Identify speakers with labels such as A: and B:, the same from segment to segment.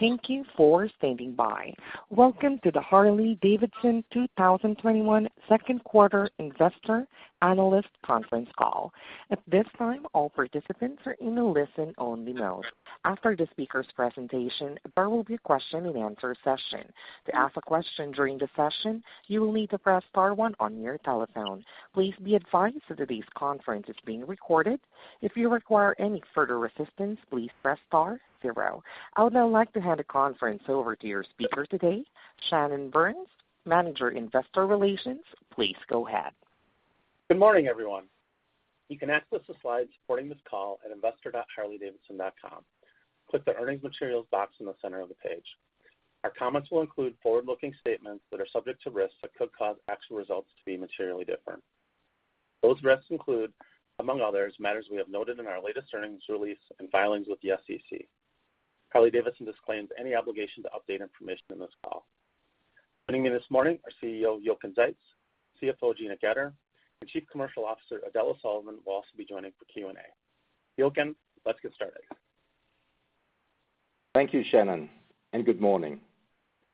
A: Thank you for standing by. Welcome to the Harley-Davidson 2021 second quarter investor analyst conference call. At this time, all participants are in a listen-only mode. After the speaker's presentation, there will be a question and answer session. To ask a question during the session, you will need to press star one on your telephone. Please be advised that today's conference is being recorded. If you require further assistance please press star zero. I would now like to hand the conference over to your speaker today, Shannon Burns, Manager, Investor Relations. Please go ahead.
B: Good morning, everyone. You can access the slides supporting this call at investor.harley-davidson.com. Click the earnings materials box in the center of the page. Our comments will include forward-looking statements that are subject to risks that could cause actual results to be materially different. Those risks include, among others, matters we have noted in our latest earnings release and filings with the SEC. Harley-Davidson disclaims any obligation to update information on this call. Joining me this morning are CEO Jochen Zeitz, CFO Gina Goetter, and Chief Commercial Officer Edel O'Sullivan will also be joining for Q&A. Jochen, let's get started.
C: Thank you, Shannon, and good morning.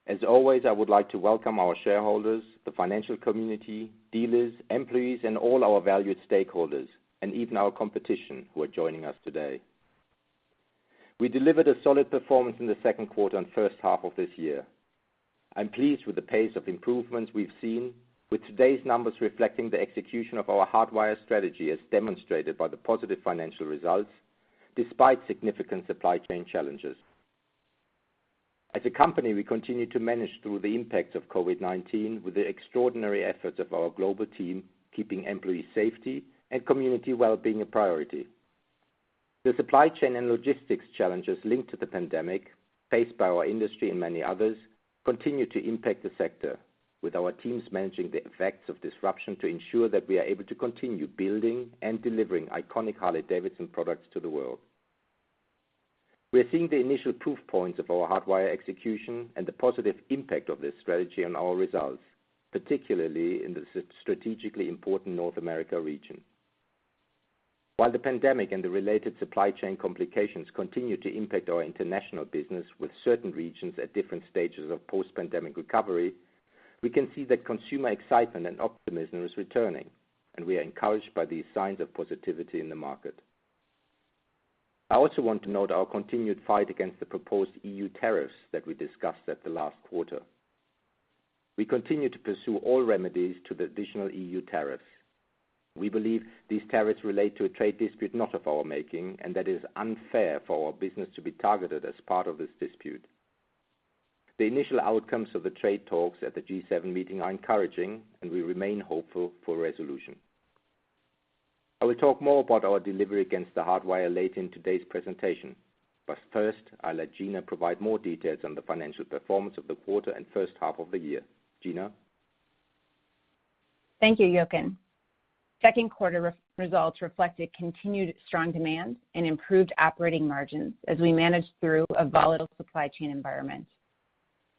C: As always, I would like to welcome our shareholders, the financial community, dealers, employees, and all our valued stakeholders, and even our competition who are joining us today. We delivered a solid performance in the second quarter and first half of this year. I'm pleased with the pace of improvements we've seen with today's numbers reflecting the execution of our Hardwire strategy, as demonstrated by the positive financial results, despite significant supply chain challenges. As a company, we continue to manage through the impacts of COVID-19 with the extraordinary efforts of our global team, keeping employee safety and community wellbeing a priority. The supply chain and logistics challenges linked to the pandemic, faced by our industry and many others, continue to impact the sector, with our teams managing the effects of disruption to ensure that we are able to continue building and delivering iconic Harley-Davidson products to the world. We are seeing the initial proof points of our Hardwire execution and the positive impact of this strategy on our results, particularly in the strategically important North America region. While the pandemic and the related supply chain complications continue to impact our international business with certain regions at different stages of post-pandemic recovery, we can see that consumer excitement and optimism is returning, and we are encouraged by these signs of positivity in the market. I also want to note our continued fight against the proposed EU tariffs that we discussed at the last quarter. We continue to pursue all remedies to the additional EU tariffs. We believe these tariffs relate to a trade dispute not of our making, and that it is unfair for our business to be targeted as part of this dispute. The initial outcomes of the trade talks at the G7 meeting are encouraging, and we remain hopeful for a resolution. I will talk more about our delivery against the Hardwire later in today's presentation, but first, I'll let Gina provide more details on the financial performance of the quarter and first half of the year. Gina?
D: Thank you, Jochen. Second quarter results reflected continued strong demand and improved operating margins as we managed through a volatile supply chain environment.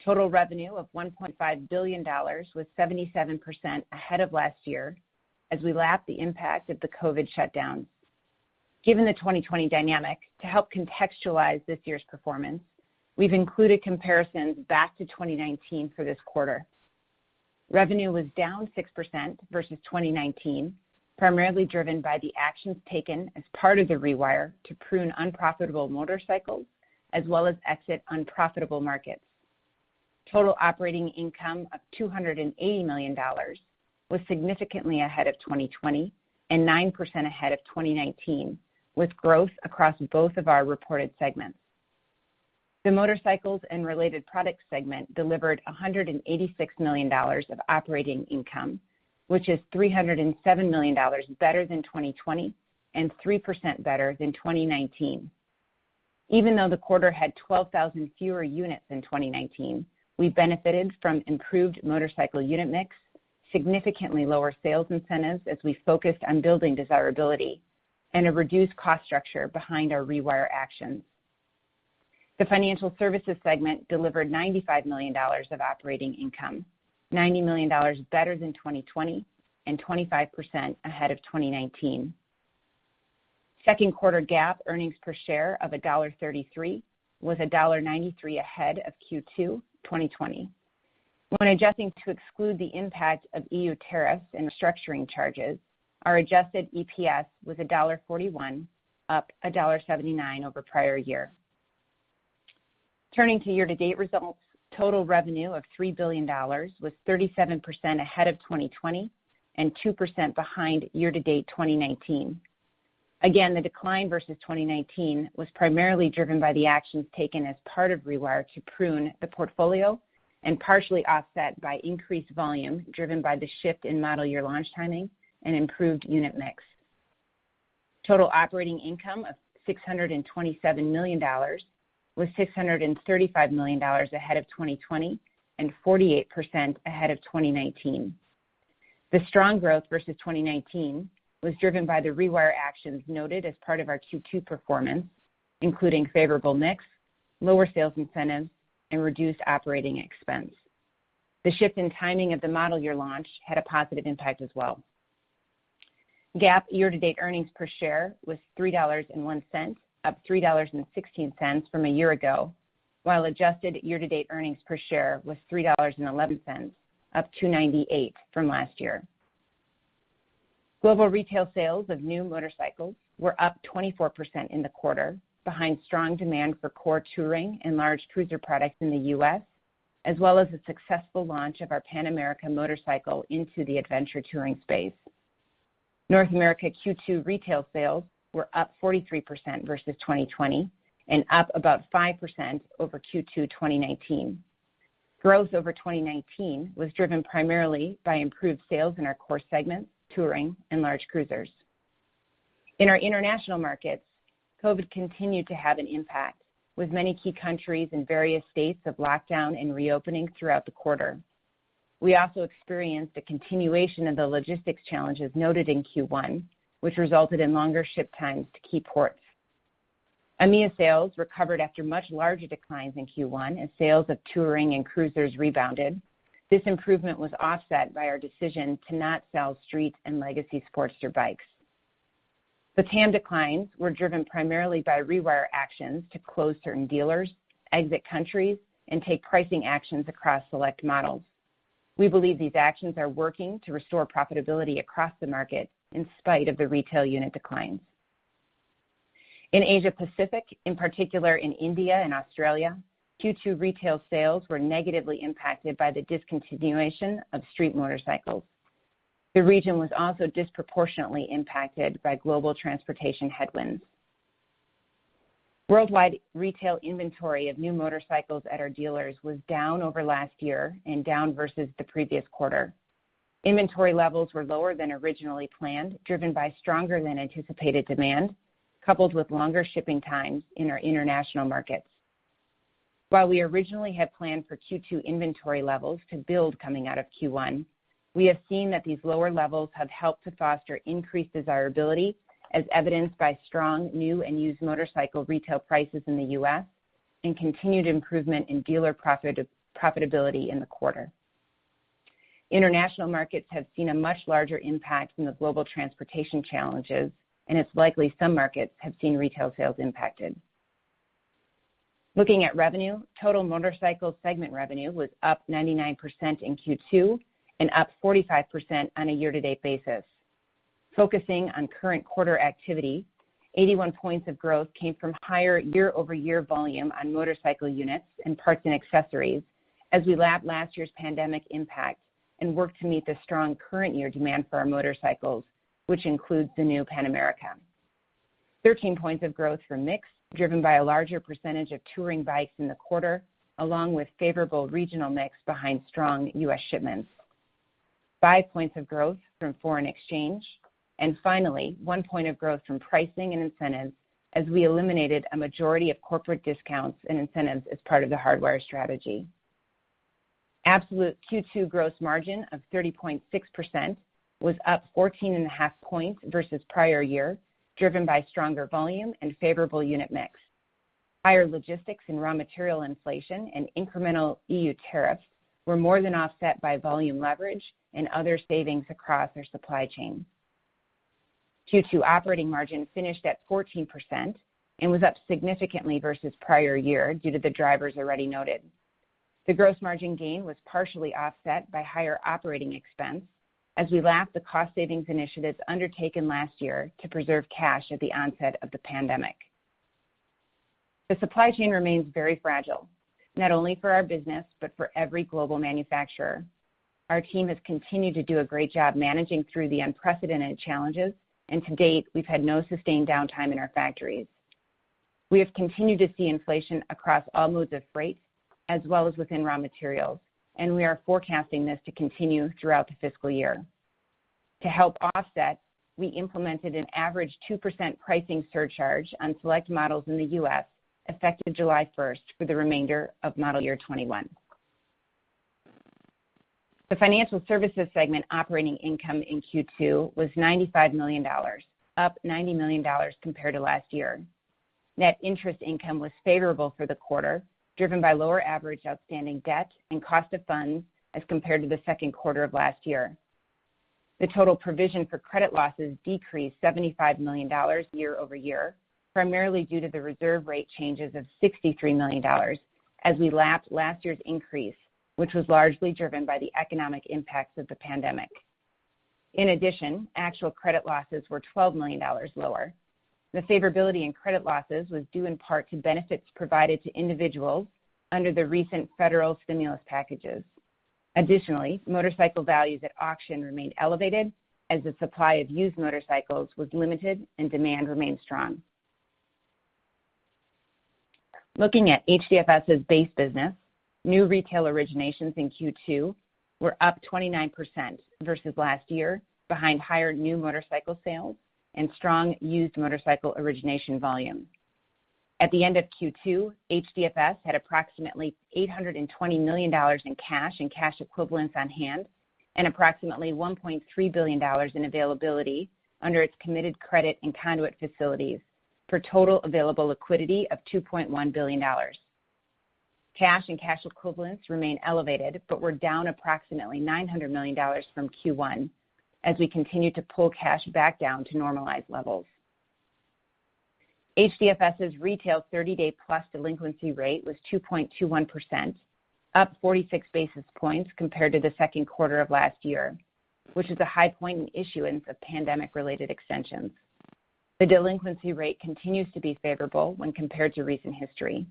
D: Total revenue of $1.5 billion was 77% ahead of last year as we lapped the impact of the COVID shutdown. Given the 2020 dynamic, to help contextualize this year's performance, we've included comparisons back to 2019 for this quarter. Revenue was down 6% versus 2019, primarily driven by the actions taken as part of The Rewire to prune unprofitable motorcycles, as well as exit unprofitable markets. Total operating income of $280 million was significantly ahead of 2020 and 9% ahead of 2019, with growth across both of our reported segments. The motorcycles and related products segment delivered $186 million of operating income, which is $307 million better than 2020 and 3% better than 2019. Even though the quarter had 12,000 fewer units than 2019, we benefited from improved motorcycle unit mix, significantly lower sales incentives as we focused on building desirability, and a reduced cost structure behind our The Rewire actions. The financial services segment delivered $95 million of operating income, $90 million better than 2020 and 25% ahead of 2019. Second quarter GAAP earnings per share of $1.33 was $1.93 ahead of Q2 2020. When adjusting to exclude the impact of EU tariffs and restructuring charges, our adjusted EPS was $1.41, up $1.79 over prior year. Turning to year-to-date results, total revenue of $3 billion was 37% ahead of 2020 and 2% behind year-to-date 2019. The decline versus 2019 was primarily driven by the actions taken as part of The Rewire to prune the portfolio and partially offset by increased volume driven by the shift in model year launch timing and improved unit mix. Total operating income of $627 million was $635 million ahead of 2020 and 48% ahead of 2019. The strong growth versus 2019 was driven by The Rewire actions noted as part of our Q2 performance, including favorable mix, lower sales incentives, and reduced operating expense. The shift in timing of the model year launch had a positive impact as well. GAAP year-to-date earnings per share was $3.01, up $3.16 from a year ago, while adjusted year-to-date earnings per share was $3.11, up $2.98 from last year. Global retail sales of new motorcycles were up 24% in the quarter, behind strong demand for core touring and large cruiser products in the U.S., as well as the successful launch of our Pan America motorcycle into the adventure touring space. North America Q2 retail sales were up 43% versus 2020 and up about 5% over Q2 2019. Growth over 2019 was driven primarily by improved sales in our core segments, touring and large cruisers. In our international markets, COVID continued to have an impact, with many key countries in various states of lockdown and reopening throughout the quarter. We also experienced a continuation of the logistics challenges noted in Q1, which resulted in longer ship times to key ports. EMEA sales recovered after much larger declines in Q1 as sales of touring and cruisers rebounded. This improvement was offset by our decision to not sell Street and legacy Sportster bikes. LATAM declines were driven primarily by Rewire actions to close certain dealers, exit countries, and take pricing actions across select models. We believe these actions are working to restore profitability across the market in spite of the retail unit declines. In Asia Pacific, in particular in India and Australia, Q2 retail sales were negatively impacted by the discontinuation of Street motorcycles. The region was also disproportionately impacted by global transportation headwinds. Worldwide retail inventory of new motorcycles at our dealers was down over last year and down versus the previous quarter. Inventory levels were lower than originally planned, driven by stronger than anticipated demand, coupled with longer shipping times in our international markets. While we originally had planned for Q2 inventory levels to build coming out of Q1, we have seen that these lower levels have helped to foster increased desirability as evidenced by strong new and used motorcycle retail prices in the U.S. and continued improvement in dealer profitability in the quarter. International markets have seen a much larger impact from the global transportation challenges, and it's likely some markets have seen retail sales impacted. Looking at revenue, total motorcycle segment revenue was up 99% in Q2 and up 45% on a year-to-date basis. Focusing on current quarter activity, 81 points of growth came from higher year-over-year volume on motorcycle units and parts and accessories as we lapped last year's pandemic impact and worked to meet the strong current year demand for our motorcycles, which includes the new Pan America. 13 points of growth were mix, driven by a larger percentage of touring bikes in the quarter, along with favorable regional mix behind strong U.S. shipments. five points of growth from foreign exchange, and finally, one point of growth from pricing and incentives as we eliminated a majority of corporate discounts and incentives as part of The Hardwire strategy. Absolute Q2 gross margin of 30.6% was up 14.5 points versus prior year, driven by stronger volume and favorable unit mix. Higher logistics and raw material inflation and incremental EU tariffs were more than offset by volume leverage and other savings across our supply chain. Q2 operating margin finished at 14% and was up significantly versus prior year due to the drivers already noted. The gross margin gain was partially offset by higher operating expense as we lapped the cost savings initiatives undertaken last year to preserve cash at the onset of the pandemic. The supply chain remains very fragile, not only for our business, but for every global manufacturer. Our team has continued to do a great job managing through the unprecedented challenges, and to date, we've had no sustained downtime in our factories. We have continued to see inflation across all modes of freight as well as within raw materials, and we are forecasting this to continue throughout the fiscal year. To help offset, we implemented an average 2% pricing surcharge on select models in the U.S., effective July 1st for the remainder of model year 2021. The financial services segment operating income in Q2 was $95 million, up $90 million compared to last year. Net interest income was favorable for the quarter, driven by lower average outstanding debt and cost of funds as compared to the second quarter of last year. The total provision for credit losses decreased $75 million year-over-year, primarily due to the reserve rate changes of $63 million as we lapped last year's increase, which was largely driven by the economic impacts of the pandemic. In addition, actual credit losses were $12 million lower. The favorability in credit losses was due in part to benefits provided to individuals under the recent federal stimulus packages. Motorcycle values at auction remained elevated as the supply of used motorcycles was limited and demand remained strong. Looking at HDFS's base business, new retail originations in Q2 were up 29% versus last year behind higher new motorcycle sales and strong used motorcycle origination volume. At the end of Q2, HDFS had approximately $820 million in cash and cash equivalents on hand and approximately $1.3 billion in availability under its committed credit and conduit facilities for total available liquidity of $2.1 billion. Cash and cash equivalents remain elevated, but were down approximately $900 million from Q1 as we continue to pull cash back down to normalized levels. HDFS's retail 30-day-plus delinquency rate was 2.21%, up 46 basis points compared to the second quarter of last year, which is a high point in issuance of pandemic-related extensions. The delinquency rate continues to be favorable when compared to recent history.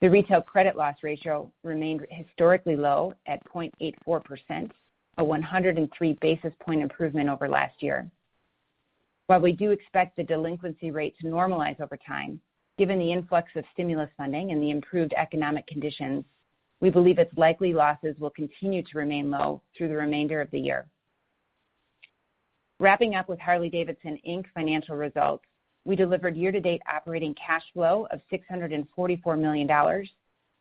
D: The retail credit loss ratio remained historically low at 0.84%, a 103-basis-point improvement over last year. While we do expect the delinquency rate to normalize over time, given the influx of stimulus funding and the improved economic conditions, we believe it's likely losses will continue to remain low through the remainder of the year. Wrapping up with Harley-Davidson Inc financial results, we delivered year-to-date operating cash flow of $644 million,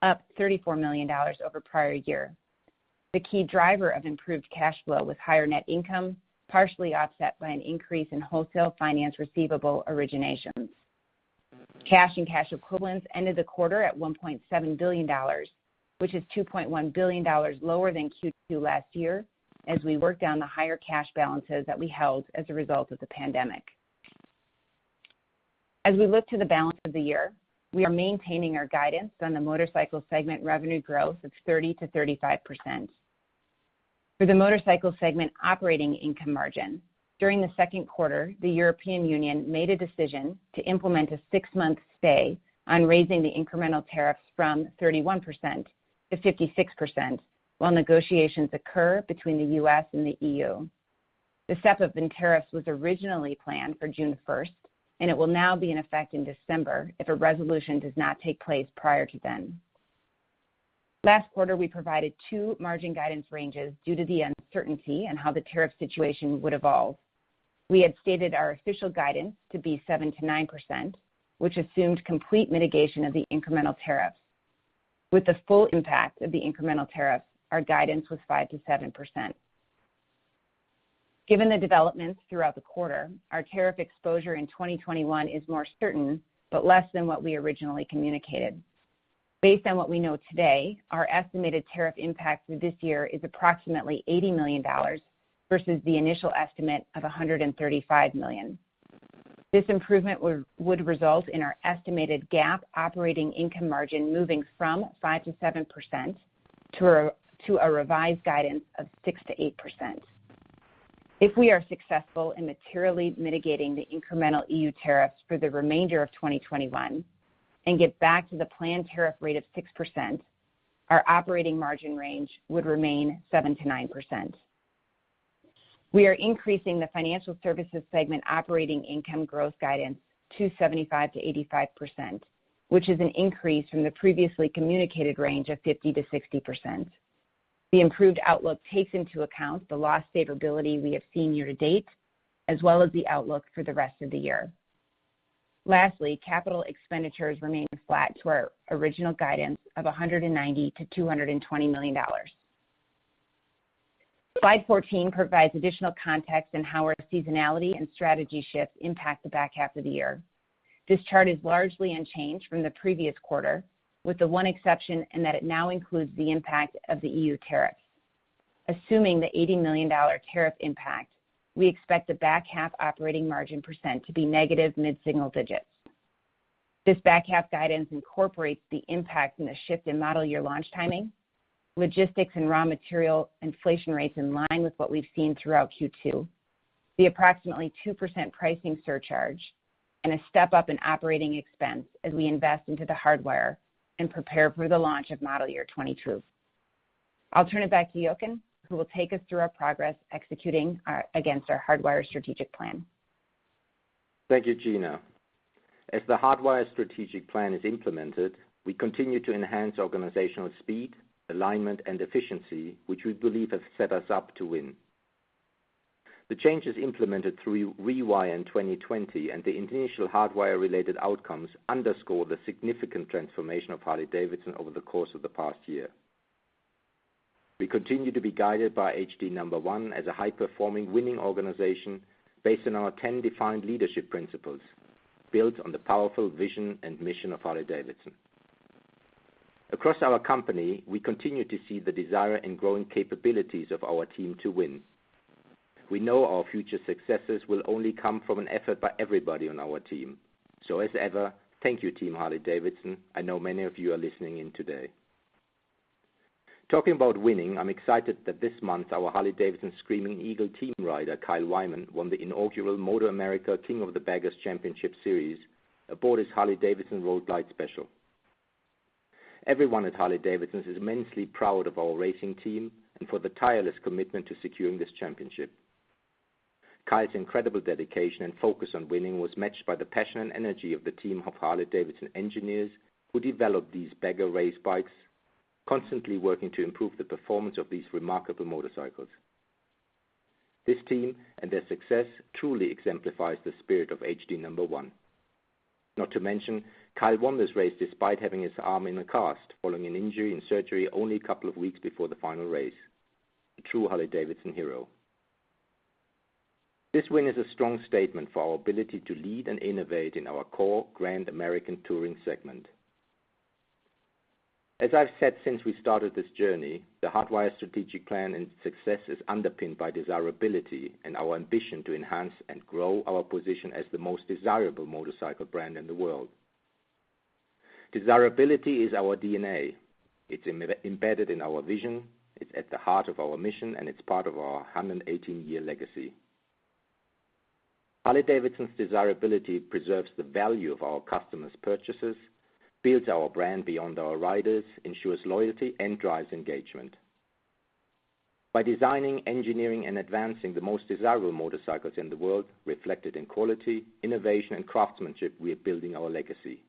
D: up $34 million over prior year. The key driver of improved cash flow was higher net income, partially offset by an increase in wholesale finance receivable originations. Cash and cash equivalents ended the quarter at $1.7 billion, which is $2.1 billion lower than Q2 last year, as we work down the higher cash balances that we held as a result of the pandemic. As we look to the balance of the year, we are maintaining our guidance on the motorcycle segment revenue growth of 30%-35%. For the motorcycle segment operating income margin, during the second quarter, the European Union made a decision to implement a six-month stay on raising the incremental tariffs from 31%-56% while negotiations occur between the U.S. and the EU. The step-up in tariffs was originally planned for June 1st, it will now be in effect in December if a resolution does not take place prior to then. Last quarter, we provided two margin guidance ranges due to the uncertainty on how the tariff situation would evolve. We had stated our official guidance to be 7%-9%, which assumed complete mitigation of the incremental tariffs. With the full impact of the incremental tariffs, our guidance was 5%-7%. Given the developments throughout the quarter, our tariff exposure in 2021 is more certain, but less than what we originally communicated. Based on what we know today, our estimated tariff impact for this year is approximately $80 million versus the initial estimate of $135 million. This improvement would result in our estimated GAAP operating income margin moving from 5%-7% to a revised guidance of 6%-8%. If we are successful in materially mitigating the incremental EU tariffs for the remainder of 2021 and get back to the planned tariff rate of 6%, our operating margin range would remain 7%-9%. We are increasing the financial services segment operating income growth guidance to 75%-85%, which is an increase from the previously communicated range of 50%-60%. The improved outlook takes into account the loss favorability we have seen year to date, as well as the outlook for the rest of the year. Lastly, capital expenditures remain flat to our original guidance of $190 million-$220 million. Slide 14 provides additional context on how our seasonality and strategy shifts impact the back half of the year. This chart is largely unchanged from the previous quarter, with the one exception in that it now includes the impact of the EU tariff. Assuming the $80 million tariff impact, we expect the back half operating margin percent to be negative mid-single digits. This back half guidance incorporates the impact and a shift in model year launch timing, logistics and raw material inflation rates in line with what we've seen throughout Q2, the approximately 2% pricing surcharge, and a step-up in operating expense as we invest into The Hardwire and prepare for the launch of model year 2022. I'll turn it back to Jochen, who will take us through our progress executing against our Hardwire strategic plan.
C: Thank you, Gina. As The Hardwire strategic plan is implemented, we continue to enhance organizational speed, alignment, and efficiency, which we believe have set us up to win. The changes implemented through The Rewire in 2020 and the initial The Hardwire-related outcomes underscore the significant transformation of Harley-Davidson over the course of the past year. We continue to be guided by H-D #1 as a high-performing, winning organization based on our 10 defined leadership principles, built on the powerful vision and mission of Harley-Davidson. Across our company, we continue to see the desire and growing capabilities of our team to win. We know our future successes will come from everybody from our team. As ever, thank you, team Harley-Davidson. I know many of you are listening in today. Talking about winning, I'm excited that this month, our Harley-Davidson Screamin' Eagle team rider, Kyle Wyman, won the inaugural MotoAmerica King of the Baggers Championship Series aboard his Harley-Davidson Road Glide Special. Everyone at Harley-Davidson is immensely proud of our racing team and for the tireless commitment to securing this championship. Kyle's incredible dedication and focus on winning was matched by the passion and energy of the team of Harley-Davidson engineers who developed these bagger race bikes, constantly working to improve the performance of these remarkable motorcycles. This team and their success truly exemplifies the spirit of H-D #1. Not to mention, Kyle won this race despite having his arm in a cast following an injury and surgery only a couple of weeks before the final race. A true Harley-Davidson hero. This win is a strong statement for our ability to lead and innovate in our core Grand American Touring segment. As I've said since we started this journey, The Hardwire strategic plan and success is underpinned by desirability and our ambition to enhance and grow our position as the most desirable motorcycle brand in the world. Desirability is our DNA. It's embedded in our vision, it's at the heart of our mission, and it's part of our 118-year legacy. Harley-Davidson's desirability preserves the value of our customers' purchases, builds our brand beyond our riders, ensures loyalty, and drives engagement. By designing, engineering, and advancing the most desirable motorcycles in the world, reflected in quality, innovation, and craftsmanship, we are building our legacy.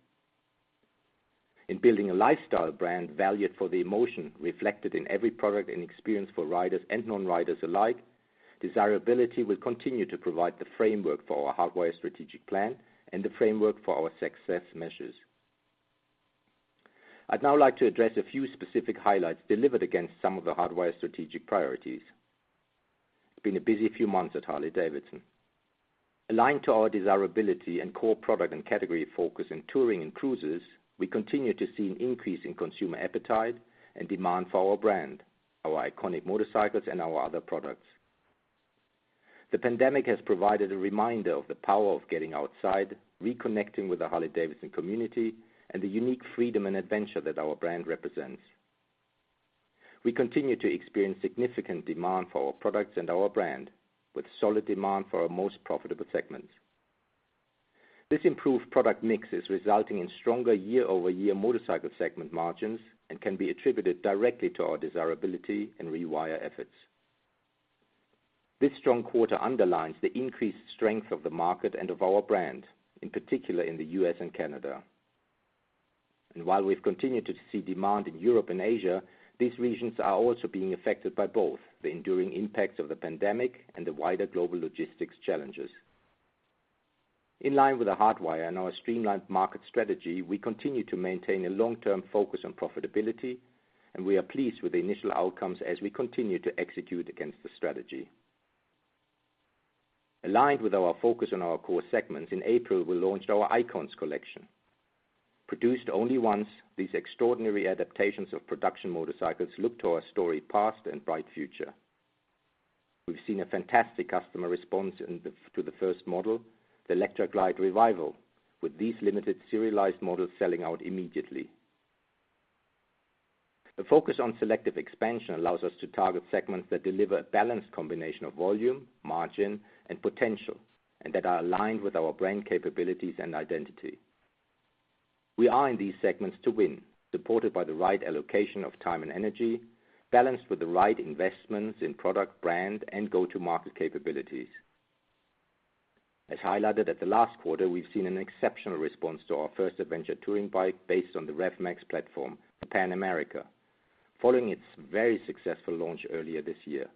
C: In building a lifestyle brand valued for the emotion reflected in every product and experience for riders and non-riders alike, desirability will continue to provide the framework for our Hardwire strategic plan and the framework for our success measures. I'd now like to address a few specific highlights delivered against some of the Hardwire strategic priorities. It's been a busy few months at Harley-Davidson. Aligned to our desirability and core product and category focus in touring and cruisers, we continue to see an increase in consumer appetite and demand for our brand, our iconic motorcycles, and our other products. The pandemic has provided a reminder of the power of getting outside, reconnecting with the Harley-Davidson community, and the unique freedom and adventure that our brand represents. We continue to experience significant demand for our products and our brand, with solid demand for our most profitable segments. This improved product mix is resulting in stronger year-over-year motorcycle segment margins and can be attributed directly to our desirability and Rewire efforts. This strong quarter underlines the increased strength of the market and of our brand, in particular in the U.S. and Canada. While we've continued to see demand in Europe and Asia, these regions are also being affected by both the enduring impacts of the pandemic and the wider global logistics challenges. In line with The Hardwire and our streamlined market strategy, we continue to maintain a long-term focus on profitability, and we are pleased with the initial outcomes as we continue to execute against the strategy. Aligned with our focus on our core segments, in April, we launched our Icons Collection. Produced only once, these extraordinary adaptations of production motorcycles look to our storied past and bright future. We've seen a fantastic customer response to the first model, the Electra Glide Revival, with these limited serialized models selling out immediately. The focus on selective expansion allows us to target segments that deliver a balanced combination of volume, margin, and potential, and that are aligned with our brand capabilities and identity. We are in these segments to win, supported by the right allocation of time and energy, balanced with the right investments in product, brand, and go-to-market capabilities. As highlighted at the last quarter, we've seen an exceptional response to our first adventure touring bike based on the Revolution Max platform, the Pan America, following its very successful launch earlier this year.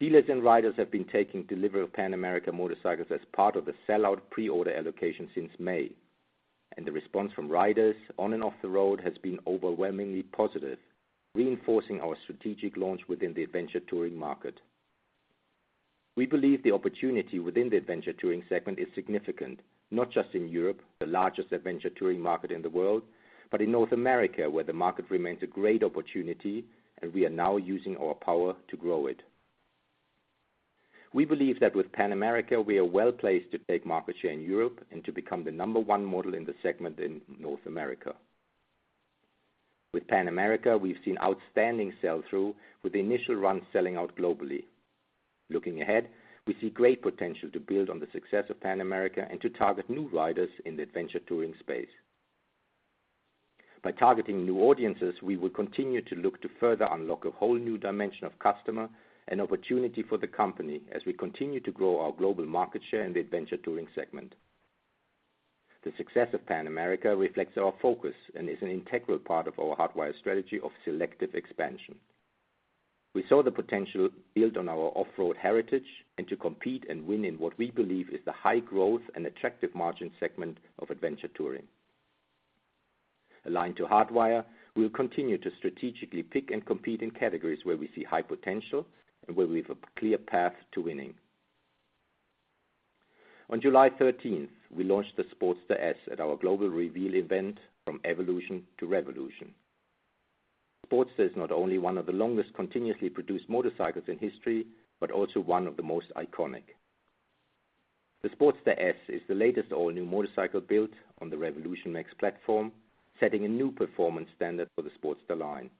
C: Dealers and riders have been taking delivery of Pan America motorcycles as part of the sell-out pre-order allocation since May, and the response from riders on and off the road has been overwhelmingly positive, reinforcing our strategic launch within the adventure touring market. We believe the opportunity within the adventure touring segment is significant, not just in Europe, the largest adventure touring market in the world, but in North America, where the market remains a great opportunity, and we are now using our power to grow it. We believe that with Pan America, we are well-placed to take market share in Europe and to become the number one model in the segment in North America. With Pan America, we've seen outstanding sell-through, with the initial run selling out globally. Looking ahead, we see great potential to build on the success of Pan America and to target new riders in the adventure touring space. By targeting new audiences, we will continue to look to further unlock a whole new dimension of customer and opportunity for the company as we continue to grow our global market share in the adventure touring segment. The success of Pan America reflects our focus and is an integral part of our Hardwire strategy of selective expansion. We saw the potential build on our off-road heritage and to compete and win in what we believe is the high growth and attractive margin segment of adventure touring. Aligned to Hardwire, we will continue to strategically pick and compete in categories where we see high potential and where we have a clear path to winning. On July 13th, we launched the Sportster S at our global reveal event, From Evolution to Revolution. Sportster is not only one of the longest continuously produced motorcycles in history, but also one of the most iconic. The Sportster S is the latest all-new motorcycle built on the Revolution Max platform, setting a new performance standard for the Sportster line.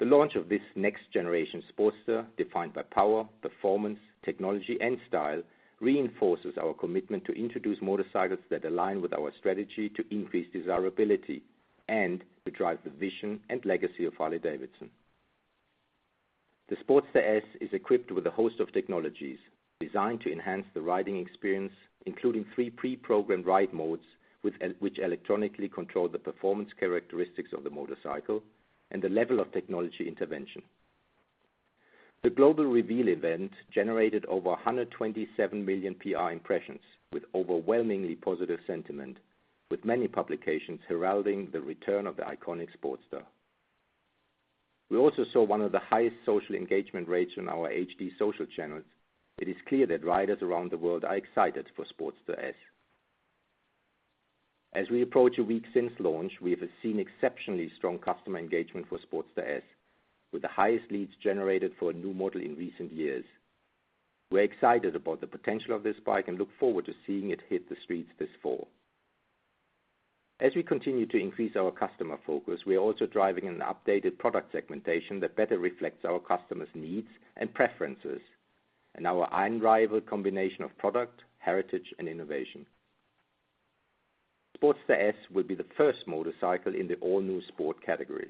C: The launch of this next-generation Sportster, defined by power, performance, technology, and style, reinforces our commitment to introduce motorcycles that align with our strategy to increase desirability and to drive the vision and legacy of Harley-Davidson. The Sportster S is equipped with a host of technologies designed to enhance the riding experience, including three pre-programmed ride modes, which electronically control the performance characteristics of the motorcycle and the level of technology intervention. The global reveal event generated over 127 million PR impressions with overwhelmingly positive sentiment. With many publications heralding the return of the iconic Sportster. We also saw one of the highest social engagement rates on our H-D social channels. It is clear that riders around the world are excited for Sportster S. As we approach a week since launch, we have seen exceptionally strong customer engagement for Sportster S, with the highest leads generated for a new model in recent years. We're excited about the potential of this bike and look forward to seeing it hit the streets this fall. As we continue to increase our customer focus, we are also driving an updated product segmentation that better reflects our customers' needs and preferences, and our unrivaled combination of product, heritage, and innovation. Sportster S will be the first motorcycle in the all-new sport category.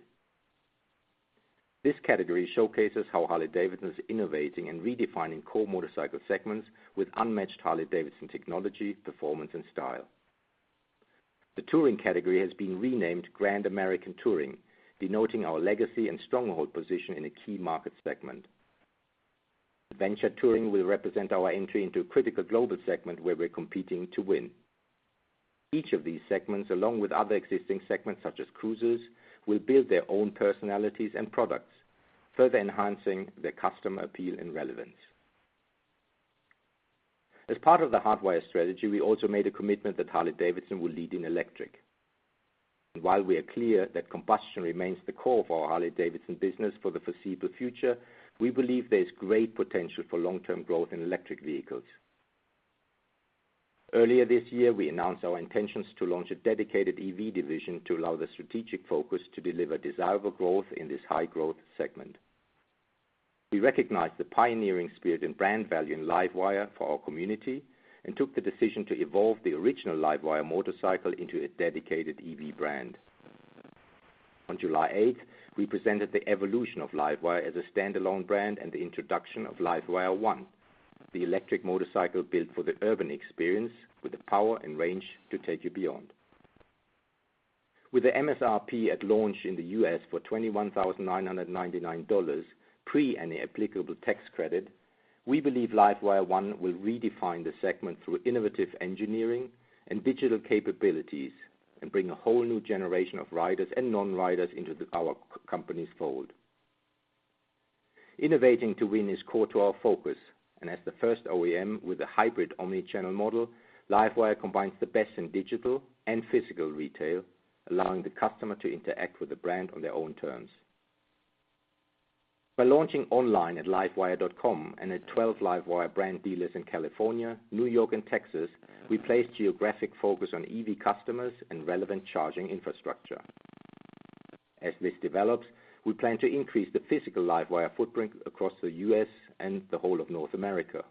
C: This category showcases how Harley-Davidson is innovating and redefining core motorcycle segments with unmatched Harley-Davidson technology, performance, and style. The touring category has been renamed Grand American Touring, denoting our legacy and stronghold position in a key market segment. Adventure touring will represent our entry into a critical global segment where we're competing to win. Each of these segments, along with other existing segments such as cruisers, will build their own personalities and products, further enhancing their customer appeal and relevance. As part of The Hardwire strategy, we also made a commitment that Harley-Davidson will lead in electric. While we are clear that combustion remains the core of our Harley-Davidson business for the foreseeable future, we believe there is great potential for long-term growth in electric vehicles. Earlier this year, we announced our intentions to launch a dedicated EV division to allow the strategic focus to deliver desirable growth in this high-growth segment. We recognize the pioneering spirit and brand value in LiveWire for our community and took the decision to evolve the original LiveWire motorcycle into a dedicated EV brand. On July 8th, we presented the evolution of LiveWire as a standalone brand and the introduction of LiveWire ONE, the electric motorcycle built for the urban experience with the power and range to take you beyond. With the MSRP at launch in the U.S. for $21,999 pre any applicable tax credit, we believe LiveWire ONE will redefine the segment through innovative engineering and digital capabilities and bring a whole new generation of riders and non-riders into our company's fold. Innovating to win is core to our focus, as the first OEM with a hybrid omni-channel model, LiveWire combines the best in digital and physical retail, allowing the customer to interact with the brand on their own terms. By launching online at livewire.com and at 12 LiveWire brand dealers in California, New York, and Texas, we place geographic focus on EV customers and relevant charging infrastructure. As this develops, we plan to increase the physical LiveWire footprint across the U.S. and the whole of North America.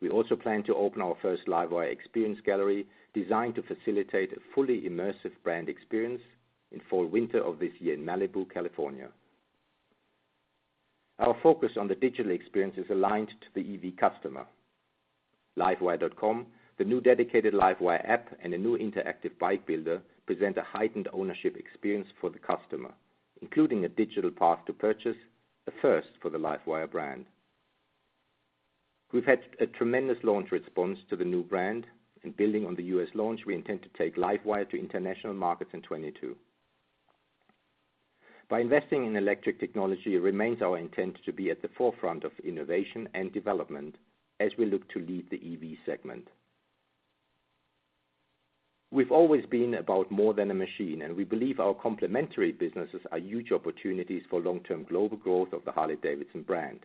C: We also plan to open our first LiveWire experience gallery, designed to facilitate a fully immersive brand experience in fall/winter of this year in Malibu, California. Our focus on the digital experience is aligned to the EV customer. livewire.com, the new dedicated LiveWire app, and a new interactive bike builder present a heightened ownership experience for the customer, including a digital path to purchase, a first for the LiveWire brand. We've had a tremendous launch response to the new brand and building on the U.S. launch, we intend to take LiveWire to international markets in 2022. By investing in electric technology, it remains our intent to be at the forefront of innovation and development as we look to lead the EV segment. We've always been about more than a machine, and we believe our complementary businesses are huge opportunities for long-term global growth of the Harley-Davidson brand.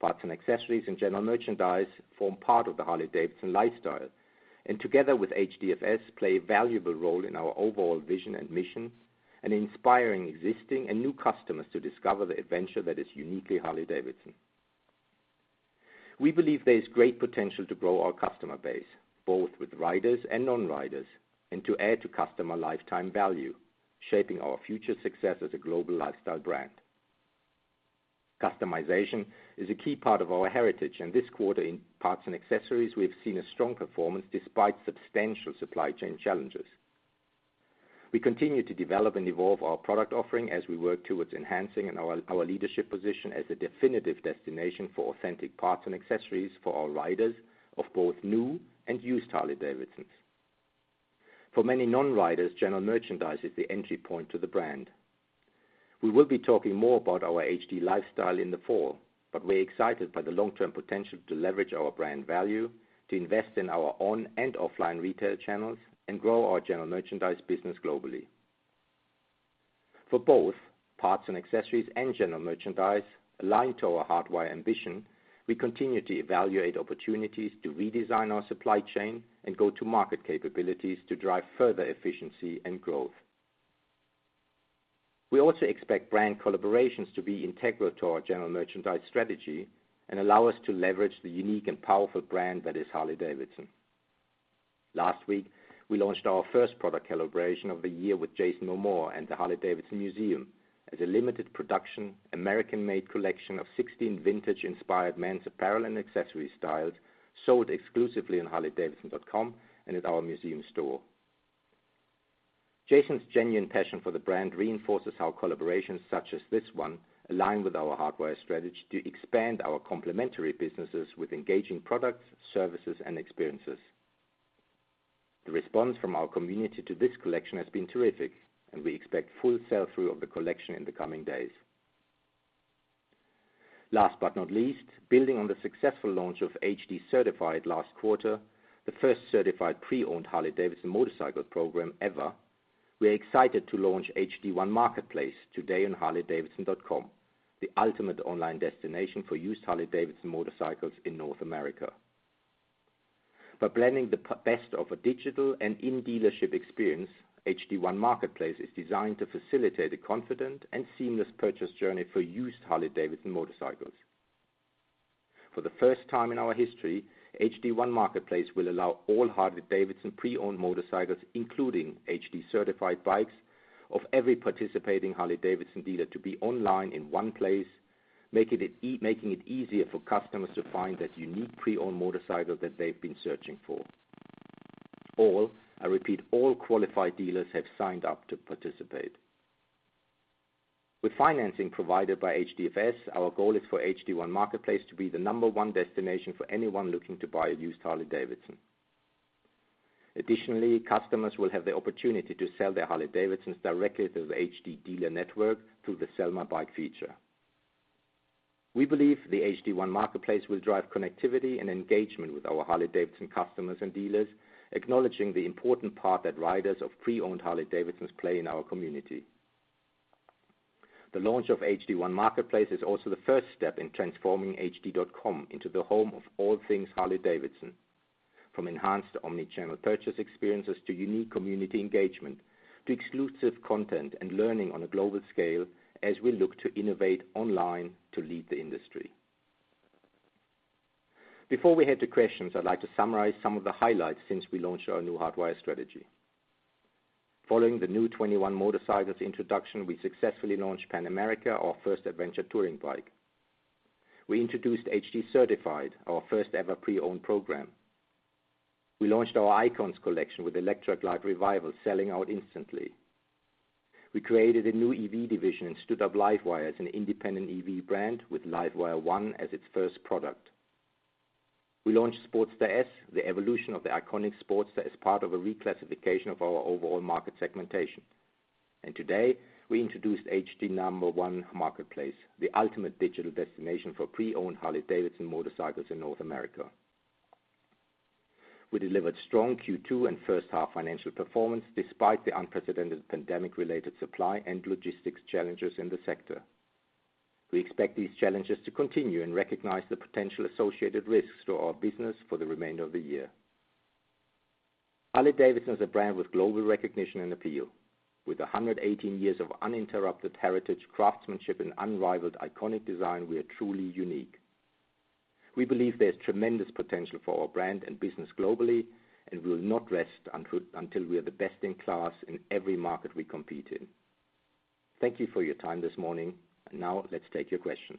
C: Parts and accessories and general merchandise form part of the Harley-Davidson lifestyle, and together with HDFS play a valuable role in our overall vision and mission and inspiring existing and new customers to discover the adventure that is uniquely Harley-Davidson. We believe there is great potential to grow our customer base both with riders and non-riders, and to add to customer lifetime value, shaping our future success as a global lifestyle brand. Customization is a key part of our heritage, and this quarter in parts and accessories, we have seen a strong performance despite substantial supply chain challenges. We continue to develop and evolve our product offering as we work towards enhancing our leadership position as a definitive destination for authentic parts and accessories for our riders of both new and used Harley-Davidsons. For many non-riders, general merchandise is the entry point to the brand. We will be talking more about our HD lifestyle in the fall, but we're excited by the long-term potential to leverage our brand value, to invest in our own and offline retail channels, and grow our general merchandise business globally. For both parts and accessories and general merchandise aligned to our Hardwire ambition, we continue to evaluate opportunities to redesign our supply chain and go-to-market capabilities to drive further efficiency and growth. We also expect brand collaborations to be integral to our general merchandise strategy and allow us to leverage the unique and powerful brand that is Harley-Davidson. Last week, we launched our first product collaboration of the year with Jason Momoa and the Harley-Davidson Museum as a limited production, American-made collection of 16 vintage-inspired men's apparel and accessory styles sold exclusively on harley-davidson.com and at our museum store. Jason's genuine passion for the brand reinforces how collaborations such as this one align with our Hardwire strategy to expand our complementary businesses with engaging products, services, and experiences. The response from our community to this collection has been terrific, and we expect full sell-through of the collection in the coming days. Last but not least, building on the successful launch of H-D Certified last quarter, the first certified pre-owned Harley-Davidson motorcycle program ever, we are excited to launch H-D1 Marketplace today on harley-davidson.com, the ultimate online destination for used Harley-Davidson motorcycles in North America. By blending the best of a digital and in-dealership experience, H-D1 Marketplace is designed to facilitate a confident and seamless purchase journey for used Harley-Davidson motorcycles. For the first time in our history, H-D1 Marketplace will allow all Harley-Davidson pre-owned motorcycles, including H-D Certified bikes of every participating Harley-Davidson dealer to be online in one place, making it easier for customers to find that unique pre-owned motorcycle that they've been searching for. All, I repeat, all qualified dealers have signed up to participate. With financing provided by HDFS, our goal is for H-D1 Marketplace to be the number one destination for anyone looking to buy a used Harley-Davidson. Additionally, customers will have the opportunity to sell their Harley-Davidsons directly through the H-D dealer network through the sell my bike feature. We believe the H-D1 Marketplace will drive connectivity and engagement with our Harley-Davidson customers and dealers, acknowledging the important part that riders of pre-owned Harley-Davidsons play in our community. The launch of H-D1 Marketplace is also the first step in transforming hd.com into the home of all things Harley-Davidson, from enhanced omni-channel purchase experiences, to unique community engagement, to exclusive content and learning on a global scale as we look to innovate online to lead the industry. Before we head to questions, I'd like to summarize some of the highlights since we launched our new The Hardwire strategy. Following the new 2021 motorcycles introduction, we successfully launched Pan America, our first adventure touring bike. We introduced H-D Certified, our first ever pre-owned program. We launched our Icons collection with Electra Glide Revival selling out instantly. We created a new EV division and stood up LiveWire as an independent EV brand with LiveWire ONE as its first product. We launched Sportster S, the evolution of the iconic Sportster as part of a reclassification of our overall market segmentation. Today, we introduced H-D1 Marketplace, the ultimate digital destination for pre-owned Harley-Davidson motorcycles in North America. We delivered strong Q2 and first-half financial performance despite the unprecedented pandemic-related supply and logistics challenges in the sector. We expect these challenges to continue and recognize the potential associated risks to our business for the remainder of the year. Harley-Davidson is a brand with global recognition and appeal. With 118 years of uninterrupted heritage, craftsmanship, and unrivaled iconic design, we are truly unique. We believe there's tremendous potential for our brand and business globally, and we will not rest until we are the best in class in every market we compete in. Thank you for your time this morning, and now let's take your questions.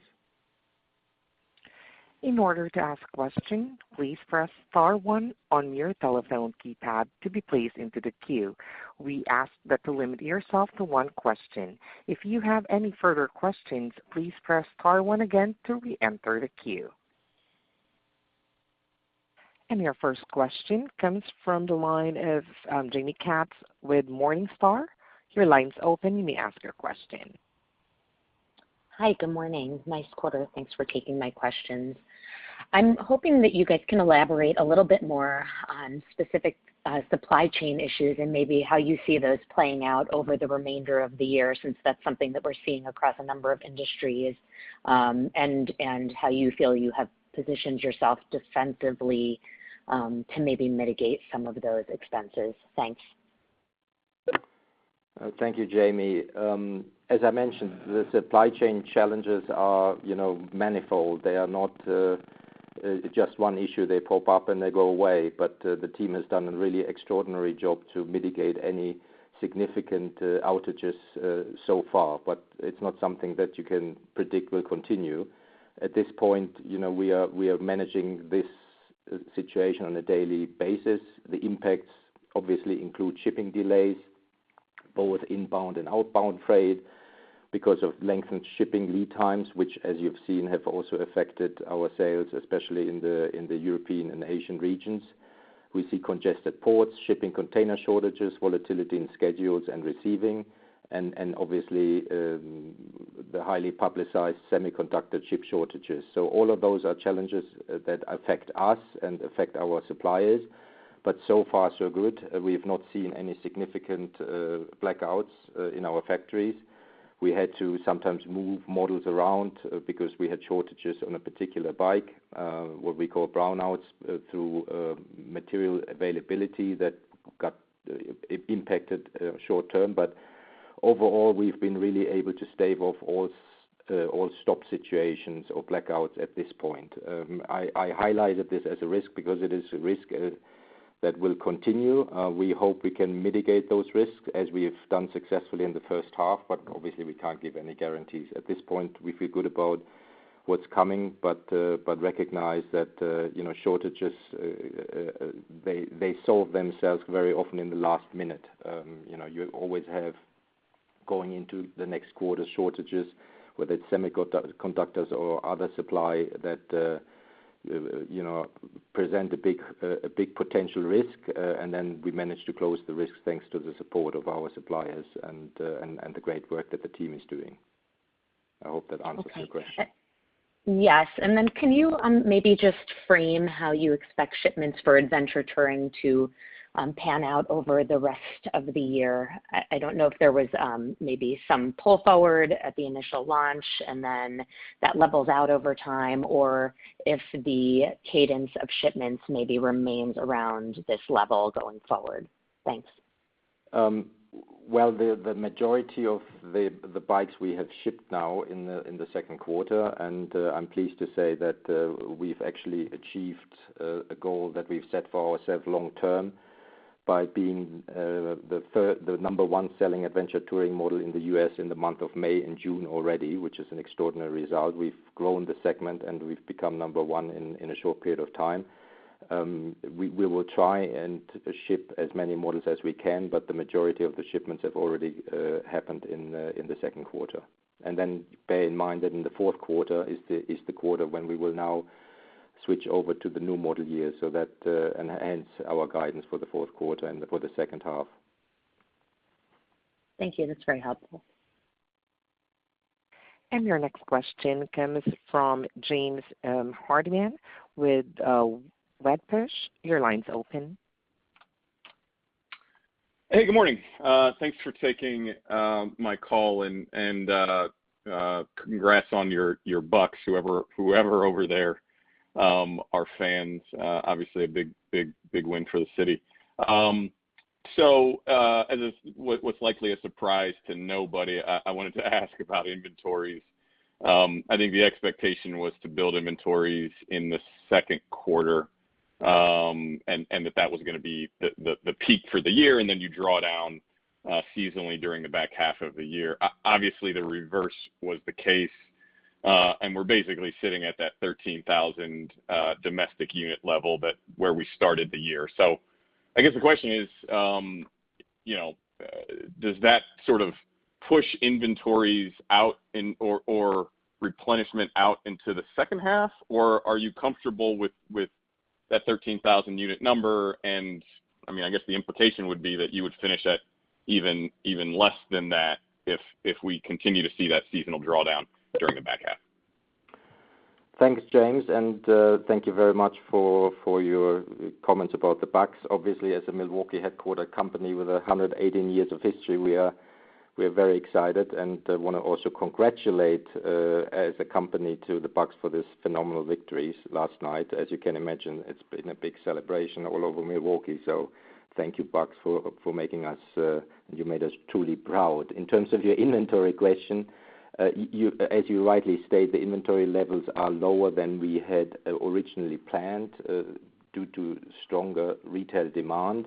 A: In order to ask a question, please press star one on your telephone keypad to be placed into the queue. We ask that you limit yourself to one question. If you have any further questions, please press star one again to reenter the queue. Your first question comes from the line of Jaime Katz with Morningstar. Your line's open. You may ask your question.
E: Hi, good morning. Nice quarter. Thanks for taking my questions. I'm hoping that you guys can elaborate a little bit more on specific supply chain issues and maybe how you see those playing out over the remainder of the year since that's something that we're seeing across a number of industries, and how you feel you have positioned yourself defensively to maybe mitigate some of those expenses. Thanks.
C: Thank you, Jaime. As I mentioned, the supply chain challenges are manifold. They are not just one issue, they pop up, and they go away. The team has done a really extraordinary job to mitigate any significant outages so far, but it's not something that you can predict will continue. At this point, we are managing this situation on a daily basis. The impacts obviously include shipping delays, both inbound and outbound freight because of lengthened shipping lead times, which, as you've seen, have also affected our sales, especially in the European and Asian regions. We see congested ports, shipping container shortages, volatility in schedules and receiving, and obviously, the highly publicized semiconductor chip shortages. All of those are challenges that affect us and affect our suppliers. So far so good. We have not seen any significant blackouts in our factories. We had to sometimes move models around because we had shortages on a particular bike, what we call brownouts through material availability that got impacted short-term, but overall, we've been really able to stave off all stop situations or blackouts at this point. I highlighted this as a risk because it is a risk that will continue. We hope we can mitigate those risks as we have done successfully in the first half, but obviously, we can't give any guarantees. At this point, we feel good about what's coming, but recognize that shortages, they solve themselves very often in the last minute. You always have, going into the next quarter, shortages, whether it's semiconductors or other supply that present a big potential risk. We manage to close the risks thanks to the support of our suppliers and the great work that the team is doing. I hope that answers your question.
E: Okay. Yes. Can you maybe just frame how you expect shipments for adventure touring to pan out over the rest of the year? I don't know if there was maybe some pull forward at the initial launch and then that levels out over time, or if the cadence of shipments maybe remains around this level going forward. Thanks.
C: The majority of the bikes we have shipped now in the second quarter, and I'm pleased to say that we've actually achieved a goal that we've set for ourselves long term by being the number one selling adventure touring model in the U.S. in the month of May and June already, which is an extraordinary result. We've grown the segment, and we've become number one in a short period of time. We will try and ship as many models as we can, but the majority of the shipments have already happened in the second quarter. Bear in mind that in the fourth quarter is the quarter when we will now switch over to the new model year, so that enhance our guidance for the fourth quarter and for the second half.
E: Thank you. That's very helpful.
A: Your next question comes from James Hardiman with Wedbush. Your line's open.
F: Hey, good morning. Thanks for taking my call and congrats on your Bucks, whoever over there are fans. Obviously a big win for the city. As what's likely a surprise to nobody, I wanted to ask about inventories. I think the expectation was to build inventories in the second quarter, and that was going to be the peak for the year, and then you draw down seasonally during the back half of the year. Obviously, the reverse was the case. We're basically sitting at that 13,000 domestic unit level where we started the year. I guess the question is, does that sort of push inventories out or replenishment out into the second half, or are you comfortable with that 13,000-unit number? I guess the implication would be that you would finish at even less than that if we continue to see that seasonal drawdown during the back half.
C: Thanks, James, thank you very much for your comments about the Bucks. Obviously, as a Milwaukee-headquartered company with 118 years of history, we are very excited and want to also congratulate, as a company, to the Bucks for this phenomenal victories last night. As you can imagine, it's been a big celebration all over Milwaukee. Thank you, Bucks. You made us truly proud. In terms of your inventory question, as you rightly state, the inventory levels are lower than we had originally planned due to stronger retail demand.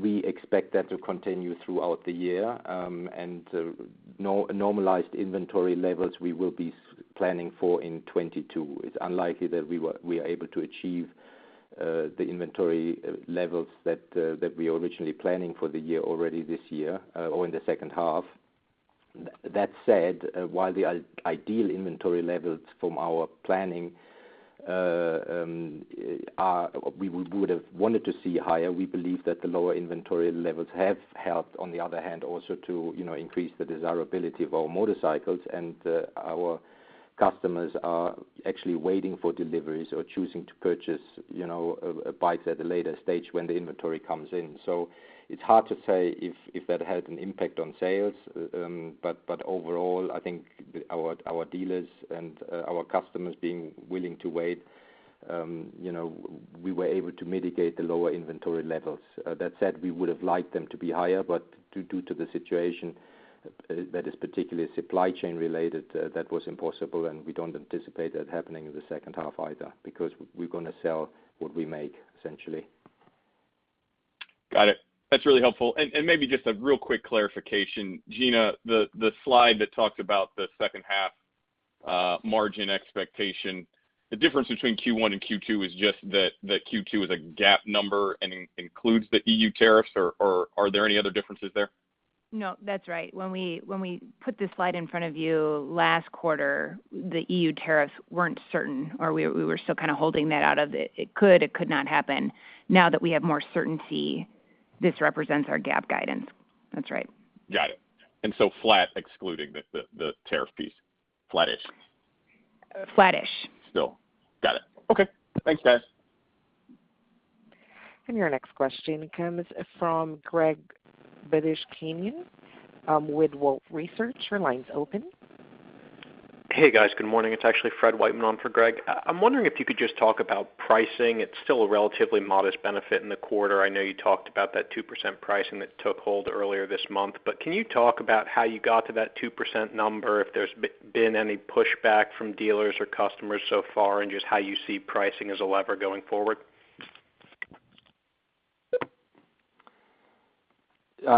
C: We expect that to continue throughout the year. Normalized inventory levels we will be planning for in 2022. It's unlikely that we are able to achieve the inventory levels that we originally planning for the year already this year or in the second half. While the ideal inventory levels from our planning, we would've wanted to see higher. We believe that the lower inventory levels have helped, on the other hand, also to increase the desirability of our motorcycles. Our customers are actually waiting for deliveries or choosing to purchase bikes at a later stage when the inventory comes in. It's hard to say if that had an impact on sales. Overall, I think our dealers and our customers being willing to wait, we were able to mitigate the lower inventory levels. We would've liked them to be higher, but due to the situation that is particularly supply chain related, that was impossible, and we don't anticipate that happening in the second half either because we're going to sell what we make, essentially.
F: Got it. That's really helpful. Maybe just a real quick clarification. Gina, the slide that talked about the second half margin expectation, the difference between Q1 and Q2 is just that Q2 is a GAAP number and includes the EU tariffs, or are there any other differences there?
D: No, that's right. When we put this slide in front of you last quarter, the EU tariffs weren't certain, or we were still kind of holding that out of it. It could, it could not happen. Now that we have more certainty, this represents our GAAP guidance. That's right.
F: Got it. Flat excluding the tariff piece. Flattish.
D: Flattish.
F: Still. Got it. Okay. Thanks, guys.
A: Your next question comes from Greg Badishkanian with Wolfe Research. Your line's open.
G: Hey, guys. Good morning. It's actually Fred Wightman on for Greg. I'm wondering if you could just talk about pricing. It's still a relatively modest benefit in the quarter. I know you talked about that 2% pricing that took hold earlier this month. Can you talk about how you got to that 2% number, if there's been any pushback from dealers or customers so far, and just how you see pricing as a lever going forward?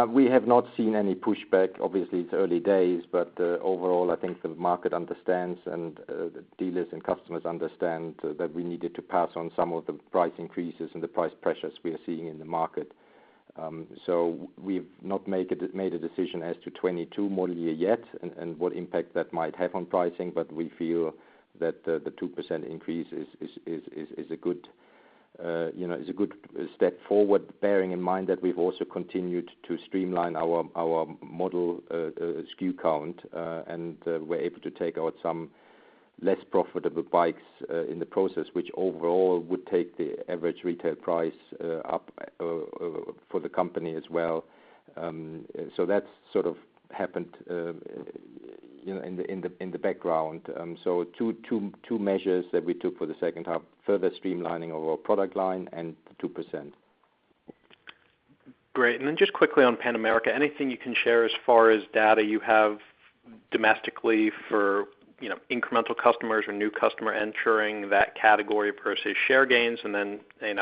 C: We have not seen any pushback. Obviously, it's early days, but overall, I think the market understands and the dealers and customers understand that we needed to pass on some of the price increases and the price pressures we are seeing in the market. We've not made a decision as to 2022 model year yet and what impact that might have on pricing, but we feel that the 2% increase is a good step forward, bearing in mind that we've also continued to streamline our model SKU count, and we're able to take out some less profitable bikes in the process, which overall would take the average retail price up for the company as well. That sort of happened in the background. Two measures that we took for the second half, further streamlining of our product line and 2%.
G: Great. Just quickly on Pan America, anything you can share as far as data you have domestically for incremental customers or new customer entering that category per se, share gains, and then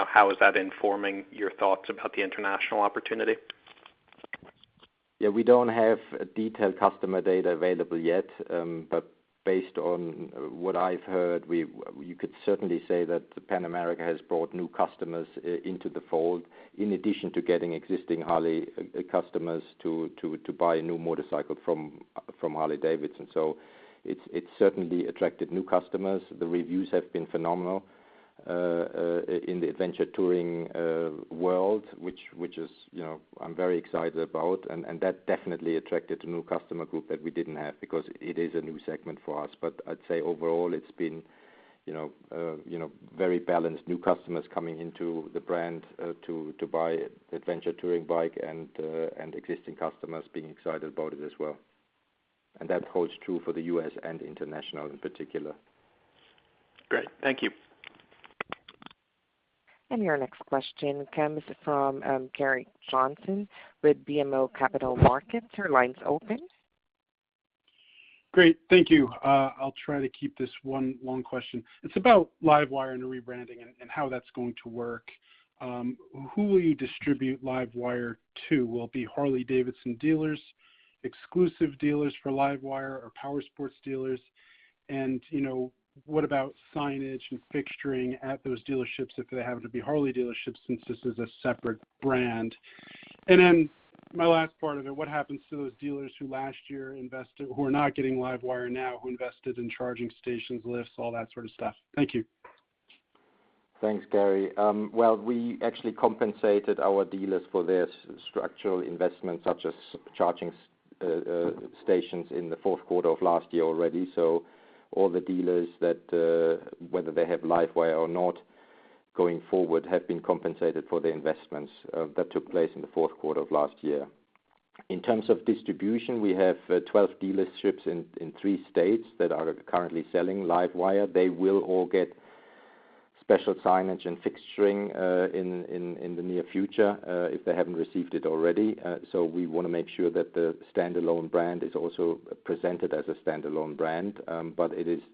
G: how is that informing your thoughts about the international opportunity?
C: Yeah. We don't have detailed customer data available yet. Based on what I've heard, you could certainly say that Pan America has brought new customers into the fold, in addition to getting existing Harley customers to buy a new motorcycle from Harley-Davidson. It's certainly attracted new customers. The reviews have been phenomenal, in the adventure touring world, which I'm very excited about, that definitely attracted a new customer group that we didn't have because it is a new segment for us. I'd say overall, it's been very balanced. New customers coming into the brand, to buy adventure touring bike and existing customers being excited about it as well. That holds true for the U.S. and international in particular.
G: Great. Thank you.
A: Your next question comes from Gerrick Johnson with BMO Capital Markets. Your line's open.
H: Great. Thank you. I'll try to keep this one long question. It's about LiveWire and the rebranding and how that's going to work. Who will you distribute LiveWire to? Will it be Harley-Davidson dealers, exclusive dealers for LiveWire, or powersports dealers? What about signage and fixturing at those dealerships if they happen to be Harley dealerships since this is a separate brand? My last part of it, what happens to those dealers who last year invested, who are not getting LiveWire now, who invested in charging stations, lifts, all that sort of stuff? Thank you.
C: Thanks, Gary. Well, we actually compensated our dealers for their structural investments, such as charging stations in the fourth quarter of last year already. All the dealers that, whether they have LiveWire or not, going forward, have been compensated for the investments that took place in the fourth quarter of last year. In terms of distribution, we have 12 dealerships in three states that are currently selling LiveWire. They will all get special signage and fixturing in the near future, if they haven't received it already. We want to make sure that the standalone brand is also presented as a standalone brand.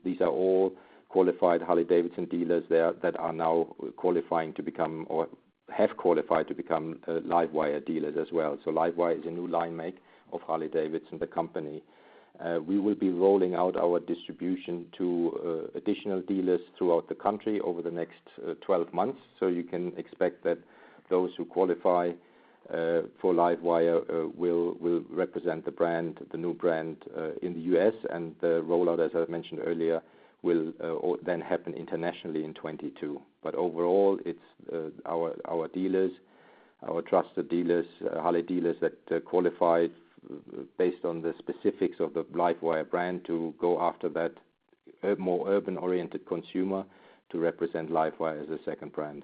C: These are all qualified Harley-Davidson dealers there that are now qualifying to become or have qualified to become LiveWire dealers as well. LiveWire is a new line make of Harley-Davidson, the company. We will be rolling out our distribution to additional dealers throughout the country over the next 12 months. You can expect that those who qualify for LiveWire will represent the new brand in the U.S., and the rollout, as I mentioned earlier, will happen internationally in 2022. Overall, it's our trusted dealers, Harley dealers that qualify based on the specifics of the LiveWire brand to go after that more urban-oriented consumer to represent LiveWire as a second brand.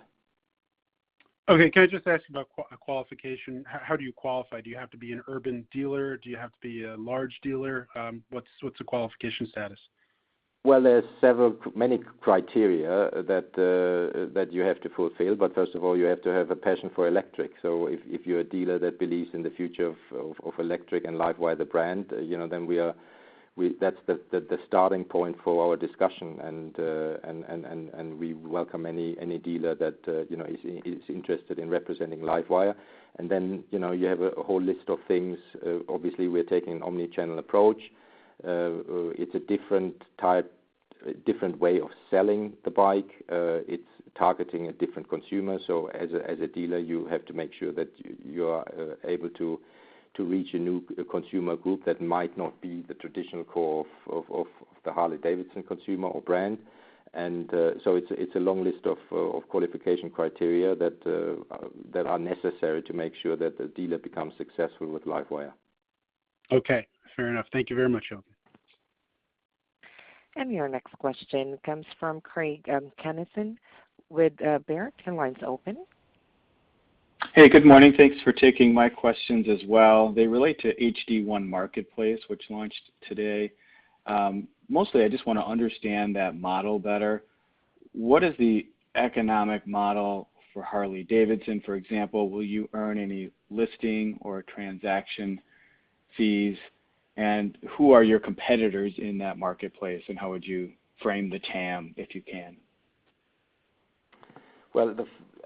H: Okay. Can I just ask about qualification? How do you qualify? Do you have to be an urban dealer? Do you have to be a large dealer? What's the qualification status?
C: Well, there's many criteria that you have to fulfill, but first of all, you have to have a passion for electric. If you're a dealer that believes in the future of electric and LiveWire the brand, then that's the starting point for our discussion. We welcome any dealer that is interested in representing LiveWire. You have a whole list of things. Obviously, we're taking an omni-channel approach. It's a different way of selling the bike. It's targeting a different consumer. As a dealer, you have to make sure that you are able to reach a new consumer group that might not be the traditional core of the Harley-Davidson consumer or brand. It's a long list of qualification criteria that are necessary to make sure that the dealer becomes successful with LiveWire.
H: Okay. Fair enough. Thank you very much, Jochen.
A: Your next question comes from Craig Kennison with Baird. Your line's open.
I: Hey, good morning. Thanks for taking my questions as well. They relate to H-D1 Marketplace, which launched today. Mostly, I just want to understand that model better. What is the economic model for Harley-Davidson? For example, will you earn any listing or transaction fees? Who are your competitors in that marketplace, and how would you frame the TAM, if you can?
C: Well,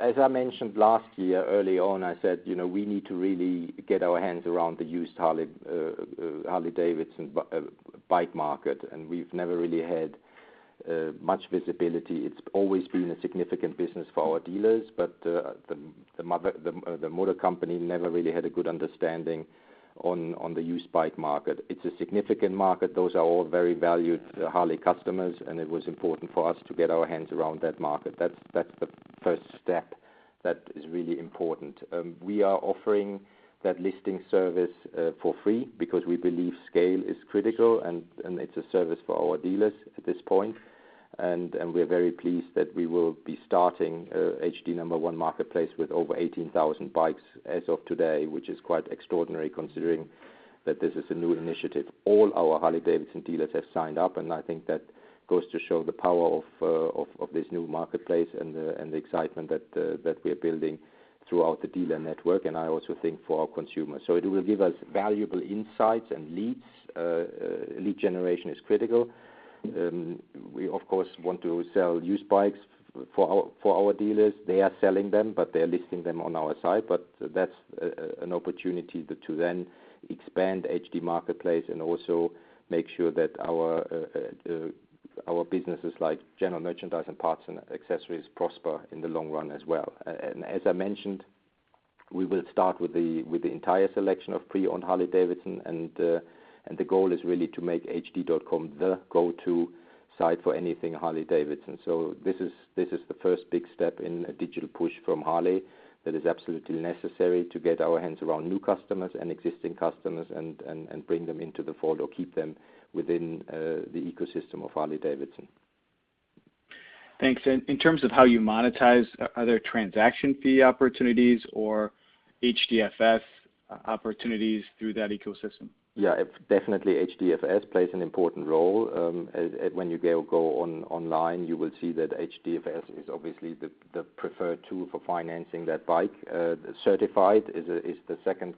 C: as I mentioned last year early on, I said we need to really get our hands around the used Harley-Davidson bike market, and we've never really had much visibility. It's always been a significant business for our dealers, but the Motor Company never really had a good understanding on the used bike market. It's a significant market. Those are all very valued Harley customers, and it was important for us to get our hands around that market. That's the first step that is really important. We are offering that listing service for free because we believe scale is critical, and it's a service for our dealers at this point. We're very pleased that we will be starting H-D1 Marketplace with over 18,000 bikes as of today, which is quite extraordinary considering that this is a new initiative. All our Harley-Davidson dealers have signed up, and I think that goes to show the power of this new marketplace and the excitement that we are building throughout the dealer network, and I also think for our consumers. It will give us valuable insights and leads. Lead generation is critical. We, of course, want to sell used bikes for our dealers. They are selling them, but they're listing them on our site. That's an opportunity to then expand H-D1 Marketplace and also make sure that our businesses like general merchandise and parts and accessories prosper in the long run as well. As I mentioned, we will start with the entire selection of pre-owned Harley-Davidson and the goal is really to make hd.com the go-to site for anything Harley-Davidson. This is the first big step in a digital push from Harley that is absolutely necessary to get our hands around new customers and existing customers and bring them into the fold or keep them within the ecosystem of Harley-Davidson.
I: Thanks. In terms of how you monetize, are there transaction fee opportunities or HDFS opportunities through that ecosystem?
C: Yeah, definitely. HDFS plays an important role. When you go online, you will see that HDFS is obviously the preferred tool for financing that bike. Certified is the second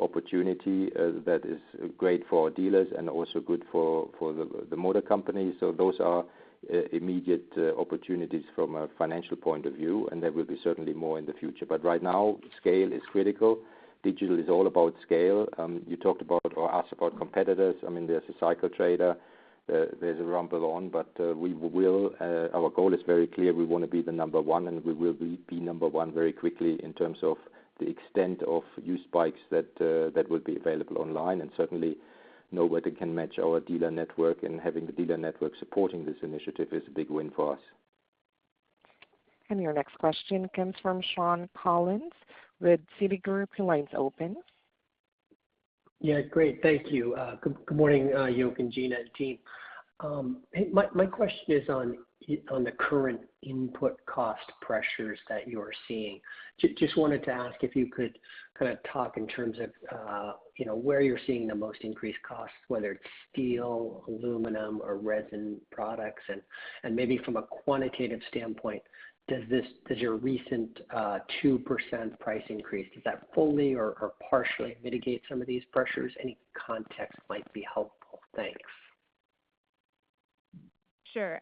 C: opportunity that is great for our dealers and also good for the motor company. Those are immediate opportunities from a financial point of view, and there will be certainly more in the future. Right now, scale is critical. Digital is all about scale. You talked about or asked about competitors. There's a Cycle Trader, there's a RumbleOn, but our goal is very clear. We want to be the number one, and we will be number one very quickly in terms of the extent of used bikes that will be available online. Certainly nobody can match our dealer network, and having the dealer network supporting this initiative is a big win for us.
A: Your next question comes from Sean Collins with Citigroup. Your line's open.
J: Yeah, great. Thank you. Good morning, Jochen and Gina and team. My question is on the current input cost pressures that you're seeing. Just wanted to ask if you could talk in terms of where you're seeing the most increased costs, whether it's steel, aluminum, or resin products, and maybe from a quantitative standpoint, does your recent 2% price increase, does that fully or partially mitigate some of these pressures? Any context might be helpful. Thanks.
D: Sure.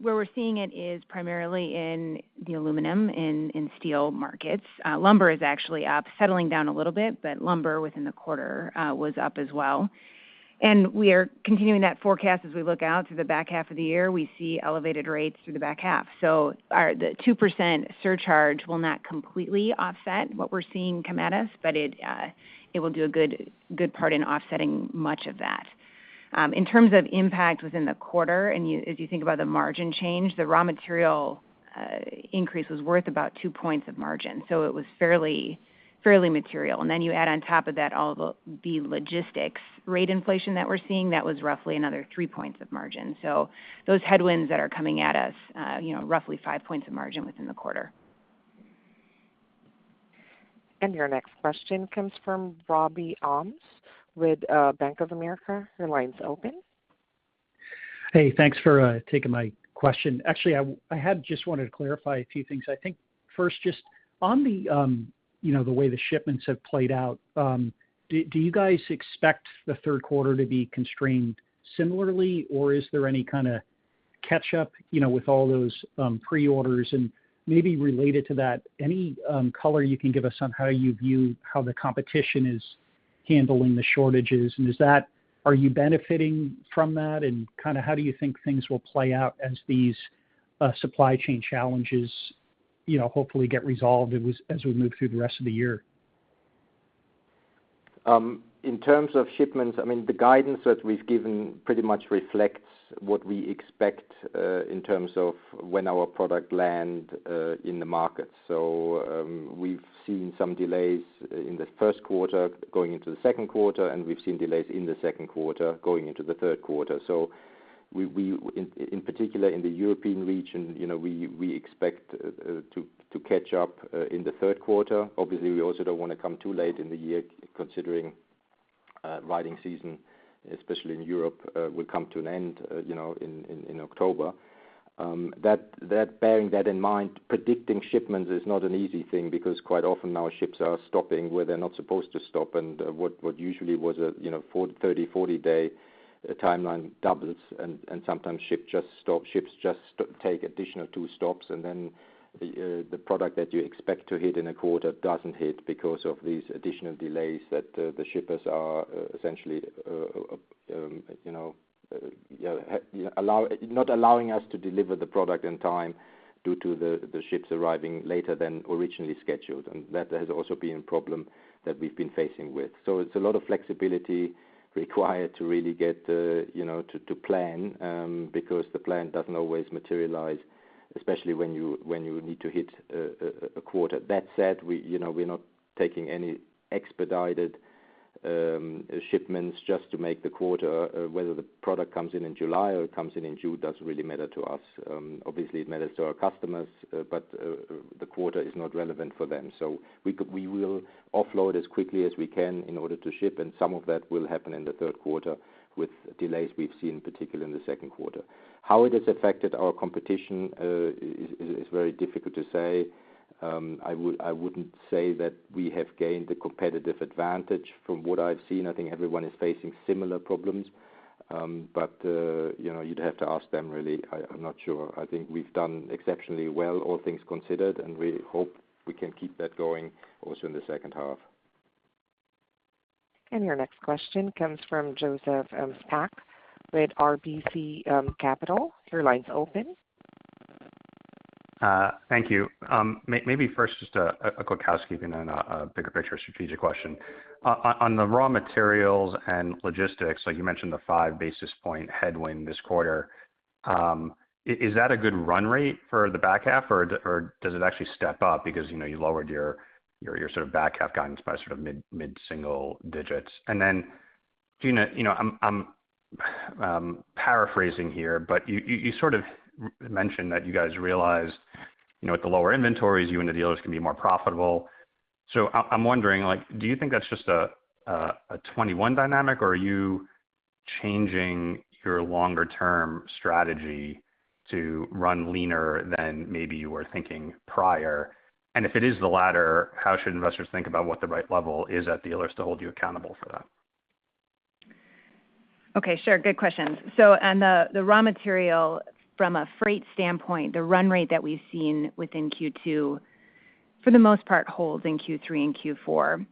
D: Where we're seeing it is primarily in the aluminum and in steel markets. Lumber is actually up, settling down a little bit, but lumber within the quarter was up as well. We are continuing that forecast as we look out to the back half of the year. We see elevated rates through the back half. The 2% surcharge will not completely offset what we're seeing come at us, but it will do a good part in offsetting much of that. In terms of impact within the quarter, and as you think about the margin change, the raw material increase was worth about 2 points of margin. It was fairly material. Then you add on top of that all the logistics rate inflation that we're seeing, that was roughly another 3 points of margin. Those headwinds that are coming at us, roughly 5 points of margin within the quarter.
A: Your next question comes from Bobbie Ohmes with Bank of America. Your line's open.
K: Hey, thanks for taking my question. Actually, I had just wanted to clarify a few things. I think first, just on the way the shipments have played out, do you guys expect the third quarter to be constrained similarly, or is there any kind of catch up with all those pre-orders and maybe related to that, any color you can give us on how you view how the competition is handling the shortages? Are you benefiting from that, and how do you think things will play out as these supply chain challenges hopefully get resolved as we move through the rest of the year?
C: In terms of shipments, the guidance that we've given pretty much reflects what we expect, in terms of when our product land in the market. We've seen some delays in the first quarter going into the second quarter, and we've seen delays in the second quarter going into the third quarter. In particular in the European region, we expect to catch up in the third quarter. Obviously, we also don't want to come too late in the year considering riding season, especially in Europe, will come to an end in October. Bearing that in mind, predicting shipments is not an easy thing because quite often now ships are stopping where they're not supposed to stop, and what usually was a 30-40-day timeline doubles and sometimes ships just take additional two stops and then the product that you expect to hit in a quarter doesn't hit because of these additional delays that the shippers are essentially not allowing us to deliver the product in time due to the ships arriving later than originally scheduled. That has also been a problem that we've been facing with. It's a lot of flexibility required to really get to plan, because the plan doesn't always materialize, especially when you need to hit a quarter. That said, we're not taking any expedited shipments just to make the quarter. Whether the product comes in in July or it comes in in June doesn't really matter to us. Obviously, it matters to our customers, but the quarter is not relevant for them. We will offload as quickly as we can in order to ship, and some of that will happen in the 3rd quarter with delays we've seen, particularly in the 2nd quarter. How it has affected our competition is very difficult to say. I wouldn't say that we have gained a competitive advantage. From what I've seen, I think everyone is facing similar problems. You'd have to ask them, really. I'm not sure. I think we've done exceptionally well, all things considered, and we hope we can keep that going also in the second half.
A: Your next question comes from Joseph Spak with RBC Capital. Your line's open.
L: Thank you. Maybe first, just a quick housekeeping and a bigger picture strategic question. On the raw materials and logistics, you mentioned the 5 basis point headwind this quarter. Is that a good run rate for the back half, or does it actually step up? You lowered your sort of back half guidance by sort of mid-single digits. I'm paraphrasing here, but you sort of mentioned that you guys realized with the lower inventories, you and the dealers can be more profitable. I'm wondering, do you think that's just a '2021 dynamic, or are you changing your longer-term strategy to run leaner than maybe you were thinking prior? If it is the latter, how should investors think about what the right level is at dealers to hold you accountable for that?
D: Okay, sure. Good questions. On the raw material from a freight standpoint, the run rate that we've seen within Q2, for the most part, holds in Q3 and Q4.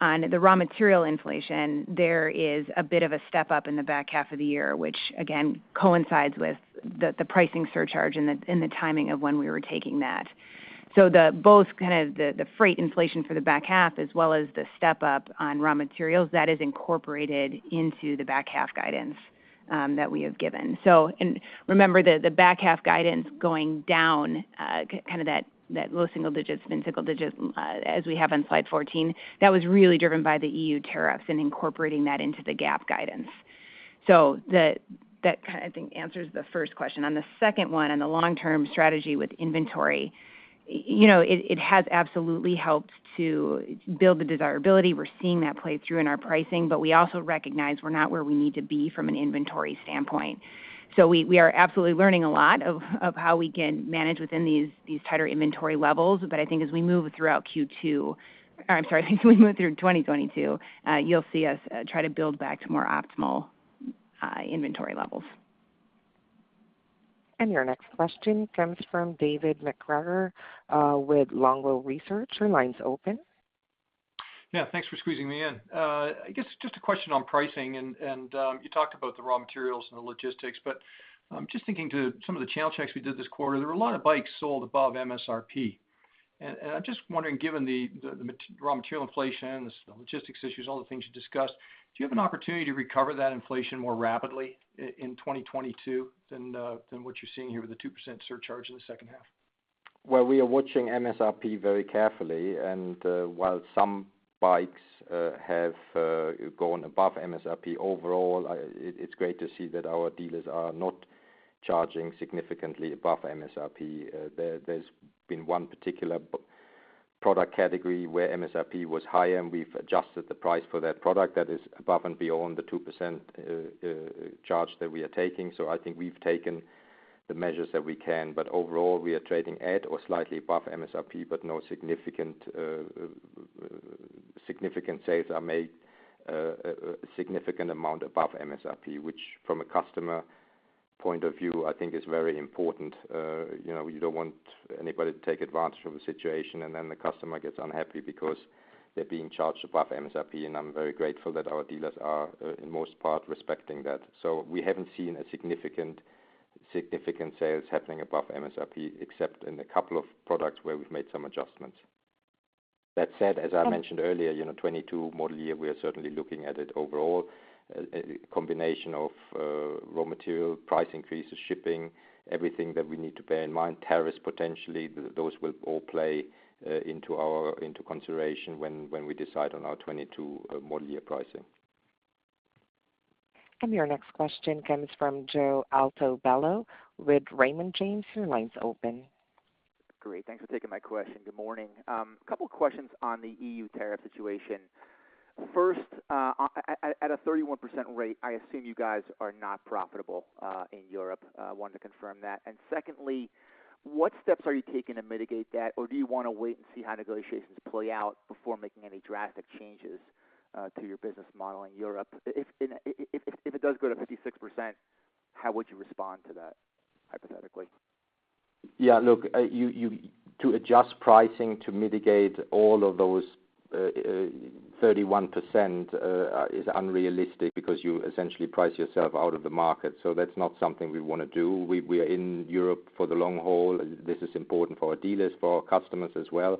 D: On the raw material inflation, there is a bit of a step-up in the back half of the year, which again coincides with the pricing surcharge and the timing of when we were taking that. Both the freight inflation for the back half as well as the step-up on raw materials, that is incorporated into the back half guidance that we have given. Remember, the back half guidance going down, kind of that low single digits, mid-single digits, as we have on slide 14, that was really driven by the EU tariffs and incorporating that into the GAAP guidance. That I think answers the first question. On the second one, on the long-term strategy with inventory, it has absolutely helped to build the desirability. We're seeing that play through in our pricing. We also recognize we're not where we need to be from an inventory standpoint. We are absolutely learning a lot of how we can manage within these tighter inventory levels. I think as we move throughout Q2, or I'm sorry, as we move through 2022, you'll see us try to build back to more optimal inventory levels.
A: Your next question comes from David MacGregor with Longbow Research. Your line's open.
M: Yeah, thanks for squeezing me in. I guess just a question on pricing. You talked about the raw materials and the logistics. I'm just thinking to some of the channel checks we did this quarter, there were a lot of bikes sold above MSRP. I'm just wondering, given the raw material inflation, the logistics issues, all the things you discussed, do you have an opportunity to recover that inflation more rapidly in 2022 than what you're seeing here with the 2% surcharge in the second half?
C: Well, we are watching MSRP very carefully, and while some bikes have gone above MSRP overall, it's great to see that our dealers are not charging significantly above MSRP. There's been one particular product category where MSRP was high, and we've adjusted the price for that product that is above and beyond the 2% charge that we are taking. I think we've taken the measures that we can. Overall, we are trading at or slightly above MSRP, but no significant amount above MSRP, which from a customer point of view, I think is very important. You don't want anybody to take advantage of a situation and then the customer gets unhappy because they're being charged above MSRP, and I'm very grateful that our dealers are, in most part, respecting that. We haven't seen significant sales happening above MSRP, except in a couple of products where we've made some adjustments. That said, as I mentioned earlier, 2022 model year, we are certainly looking at it overall. A combination of raw material price increases, shipping, everything that we need to bear in mind, tariffs potentially, those will all play into consideration when we decide on our 2022 model year pricing.
A: Your next question comes from Joe Altobello with Raymond James. Your line's open.
N: Great. Thanks for taking my question. Good morning. Couple questions on the EU tariff situation. First, at a 31% rate, I assume you guys are not profitable in Europe. Wanted to confirm that. Secondly, what steps are you taking to mitigate that? Do you want to wait and see how negotiations play out before making any drastic changes to your business model in Europe? If it does go to 56%, how would you respond to that, hypothetically?
C: Yeah, look, to adjust pricing to mitigate all of those 31% is unrealistic because you essentially price yourself out of the market. That's not something we want to do. We are in Europe for the long haul. This is important for our dealers, for our customers as well.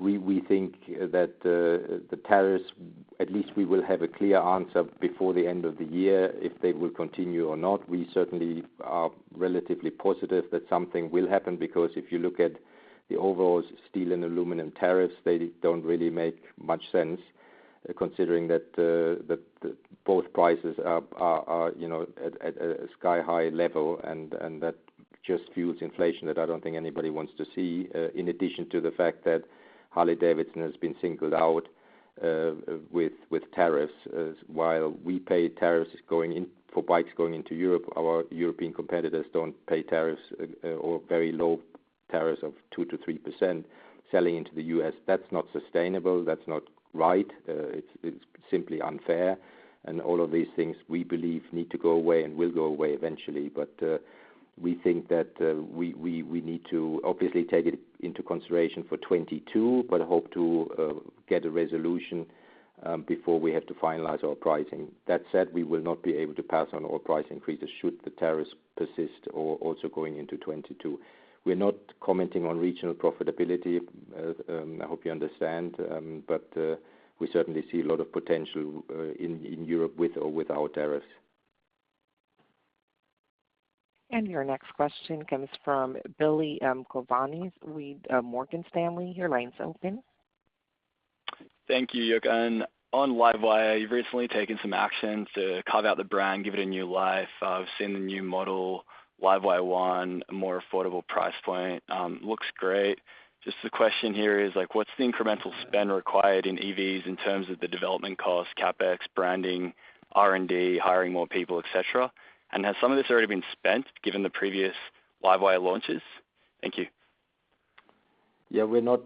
C: We think that the tariffs, at least we will have a clear answer before the end of the year if they will continue or not. We certainly are relatively positive that something will happen, because if you look at the overall steel and aluminum tariffs, they don't really make much sense considering that both prices are at a sky-high level, and that just fuels inflation that I don't think anybody wants to see. In addition to the fact that Harley-Davidson has been singled out with tariffs, while we pay tariffs for bikes going into Europe, our European competitors don't pay tariffs or very low tariffs of 2%-3% selling into the U.S. That's not sustainable. That's not right. It's simply unfair. All of these things, we believe, need to go away and will go away eventually. We think that we need to obviously take it into consideration for 2022, but hope to get a resolution before we have to finalize our pricing. That said, we will not be able to pass on all price increases should the tariffs persist or also going into 2022. We're not commenting on regional profitability, I hope you understand. We certainly see a lot of potential in Europe with or without tariffs.
A: Your next question comes from Billy Kovanis with Morgan Stanley. Your line's open.
O: Thank you, Jochen. On LiveWire, you've recently taken some action to carve out the brand, give it a new life. I've seen the new model, LiveWire ONE, a more affordable price point. Looks great. The question here is, what's the incremental spend required in EVs in terms of the development cost, CapEx, branding, R&D, hiring more people, et cetera? Has some of this already been spent given the previous LiveWire launches? Thank you.
C: Yeah, we're not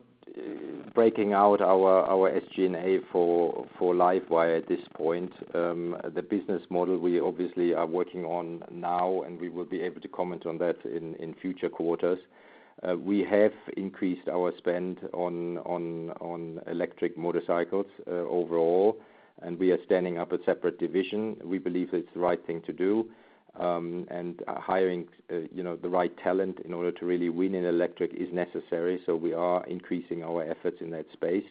C: breaking out our SG&A for LiveWire at this point. The business model we obviously are working on now, and we will be able to comment on that in future quarters. We have increased our spend on electric motorcycles overall, and we are standing up a separate division. We believe it's the right thing to do, and hiring the right talent in order to really win in electric is necessary, so we are increasing our efforts in that space.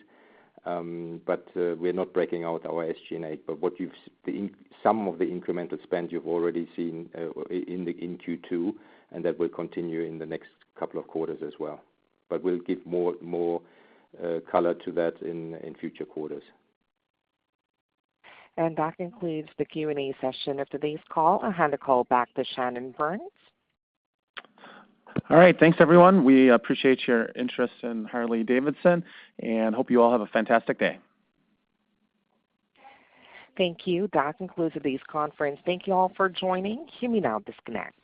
C: We're not breaking out our SG&A. Some of the incremental spend you've already seen in Q2, and that will continue in the next couple of quarters as well. We'll give more color to that in future quarters.
A: That concludes the Q&A session of today's call. I'll hand the call back to Shannon Burns.
B: All right. Thanks, everyone. We appreciate your interest in Harley-Davidson and hope you all have a fantastic day.
A: Thank you. That concludes today's conference. Thank you all for joining. You may now disconnect.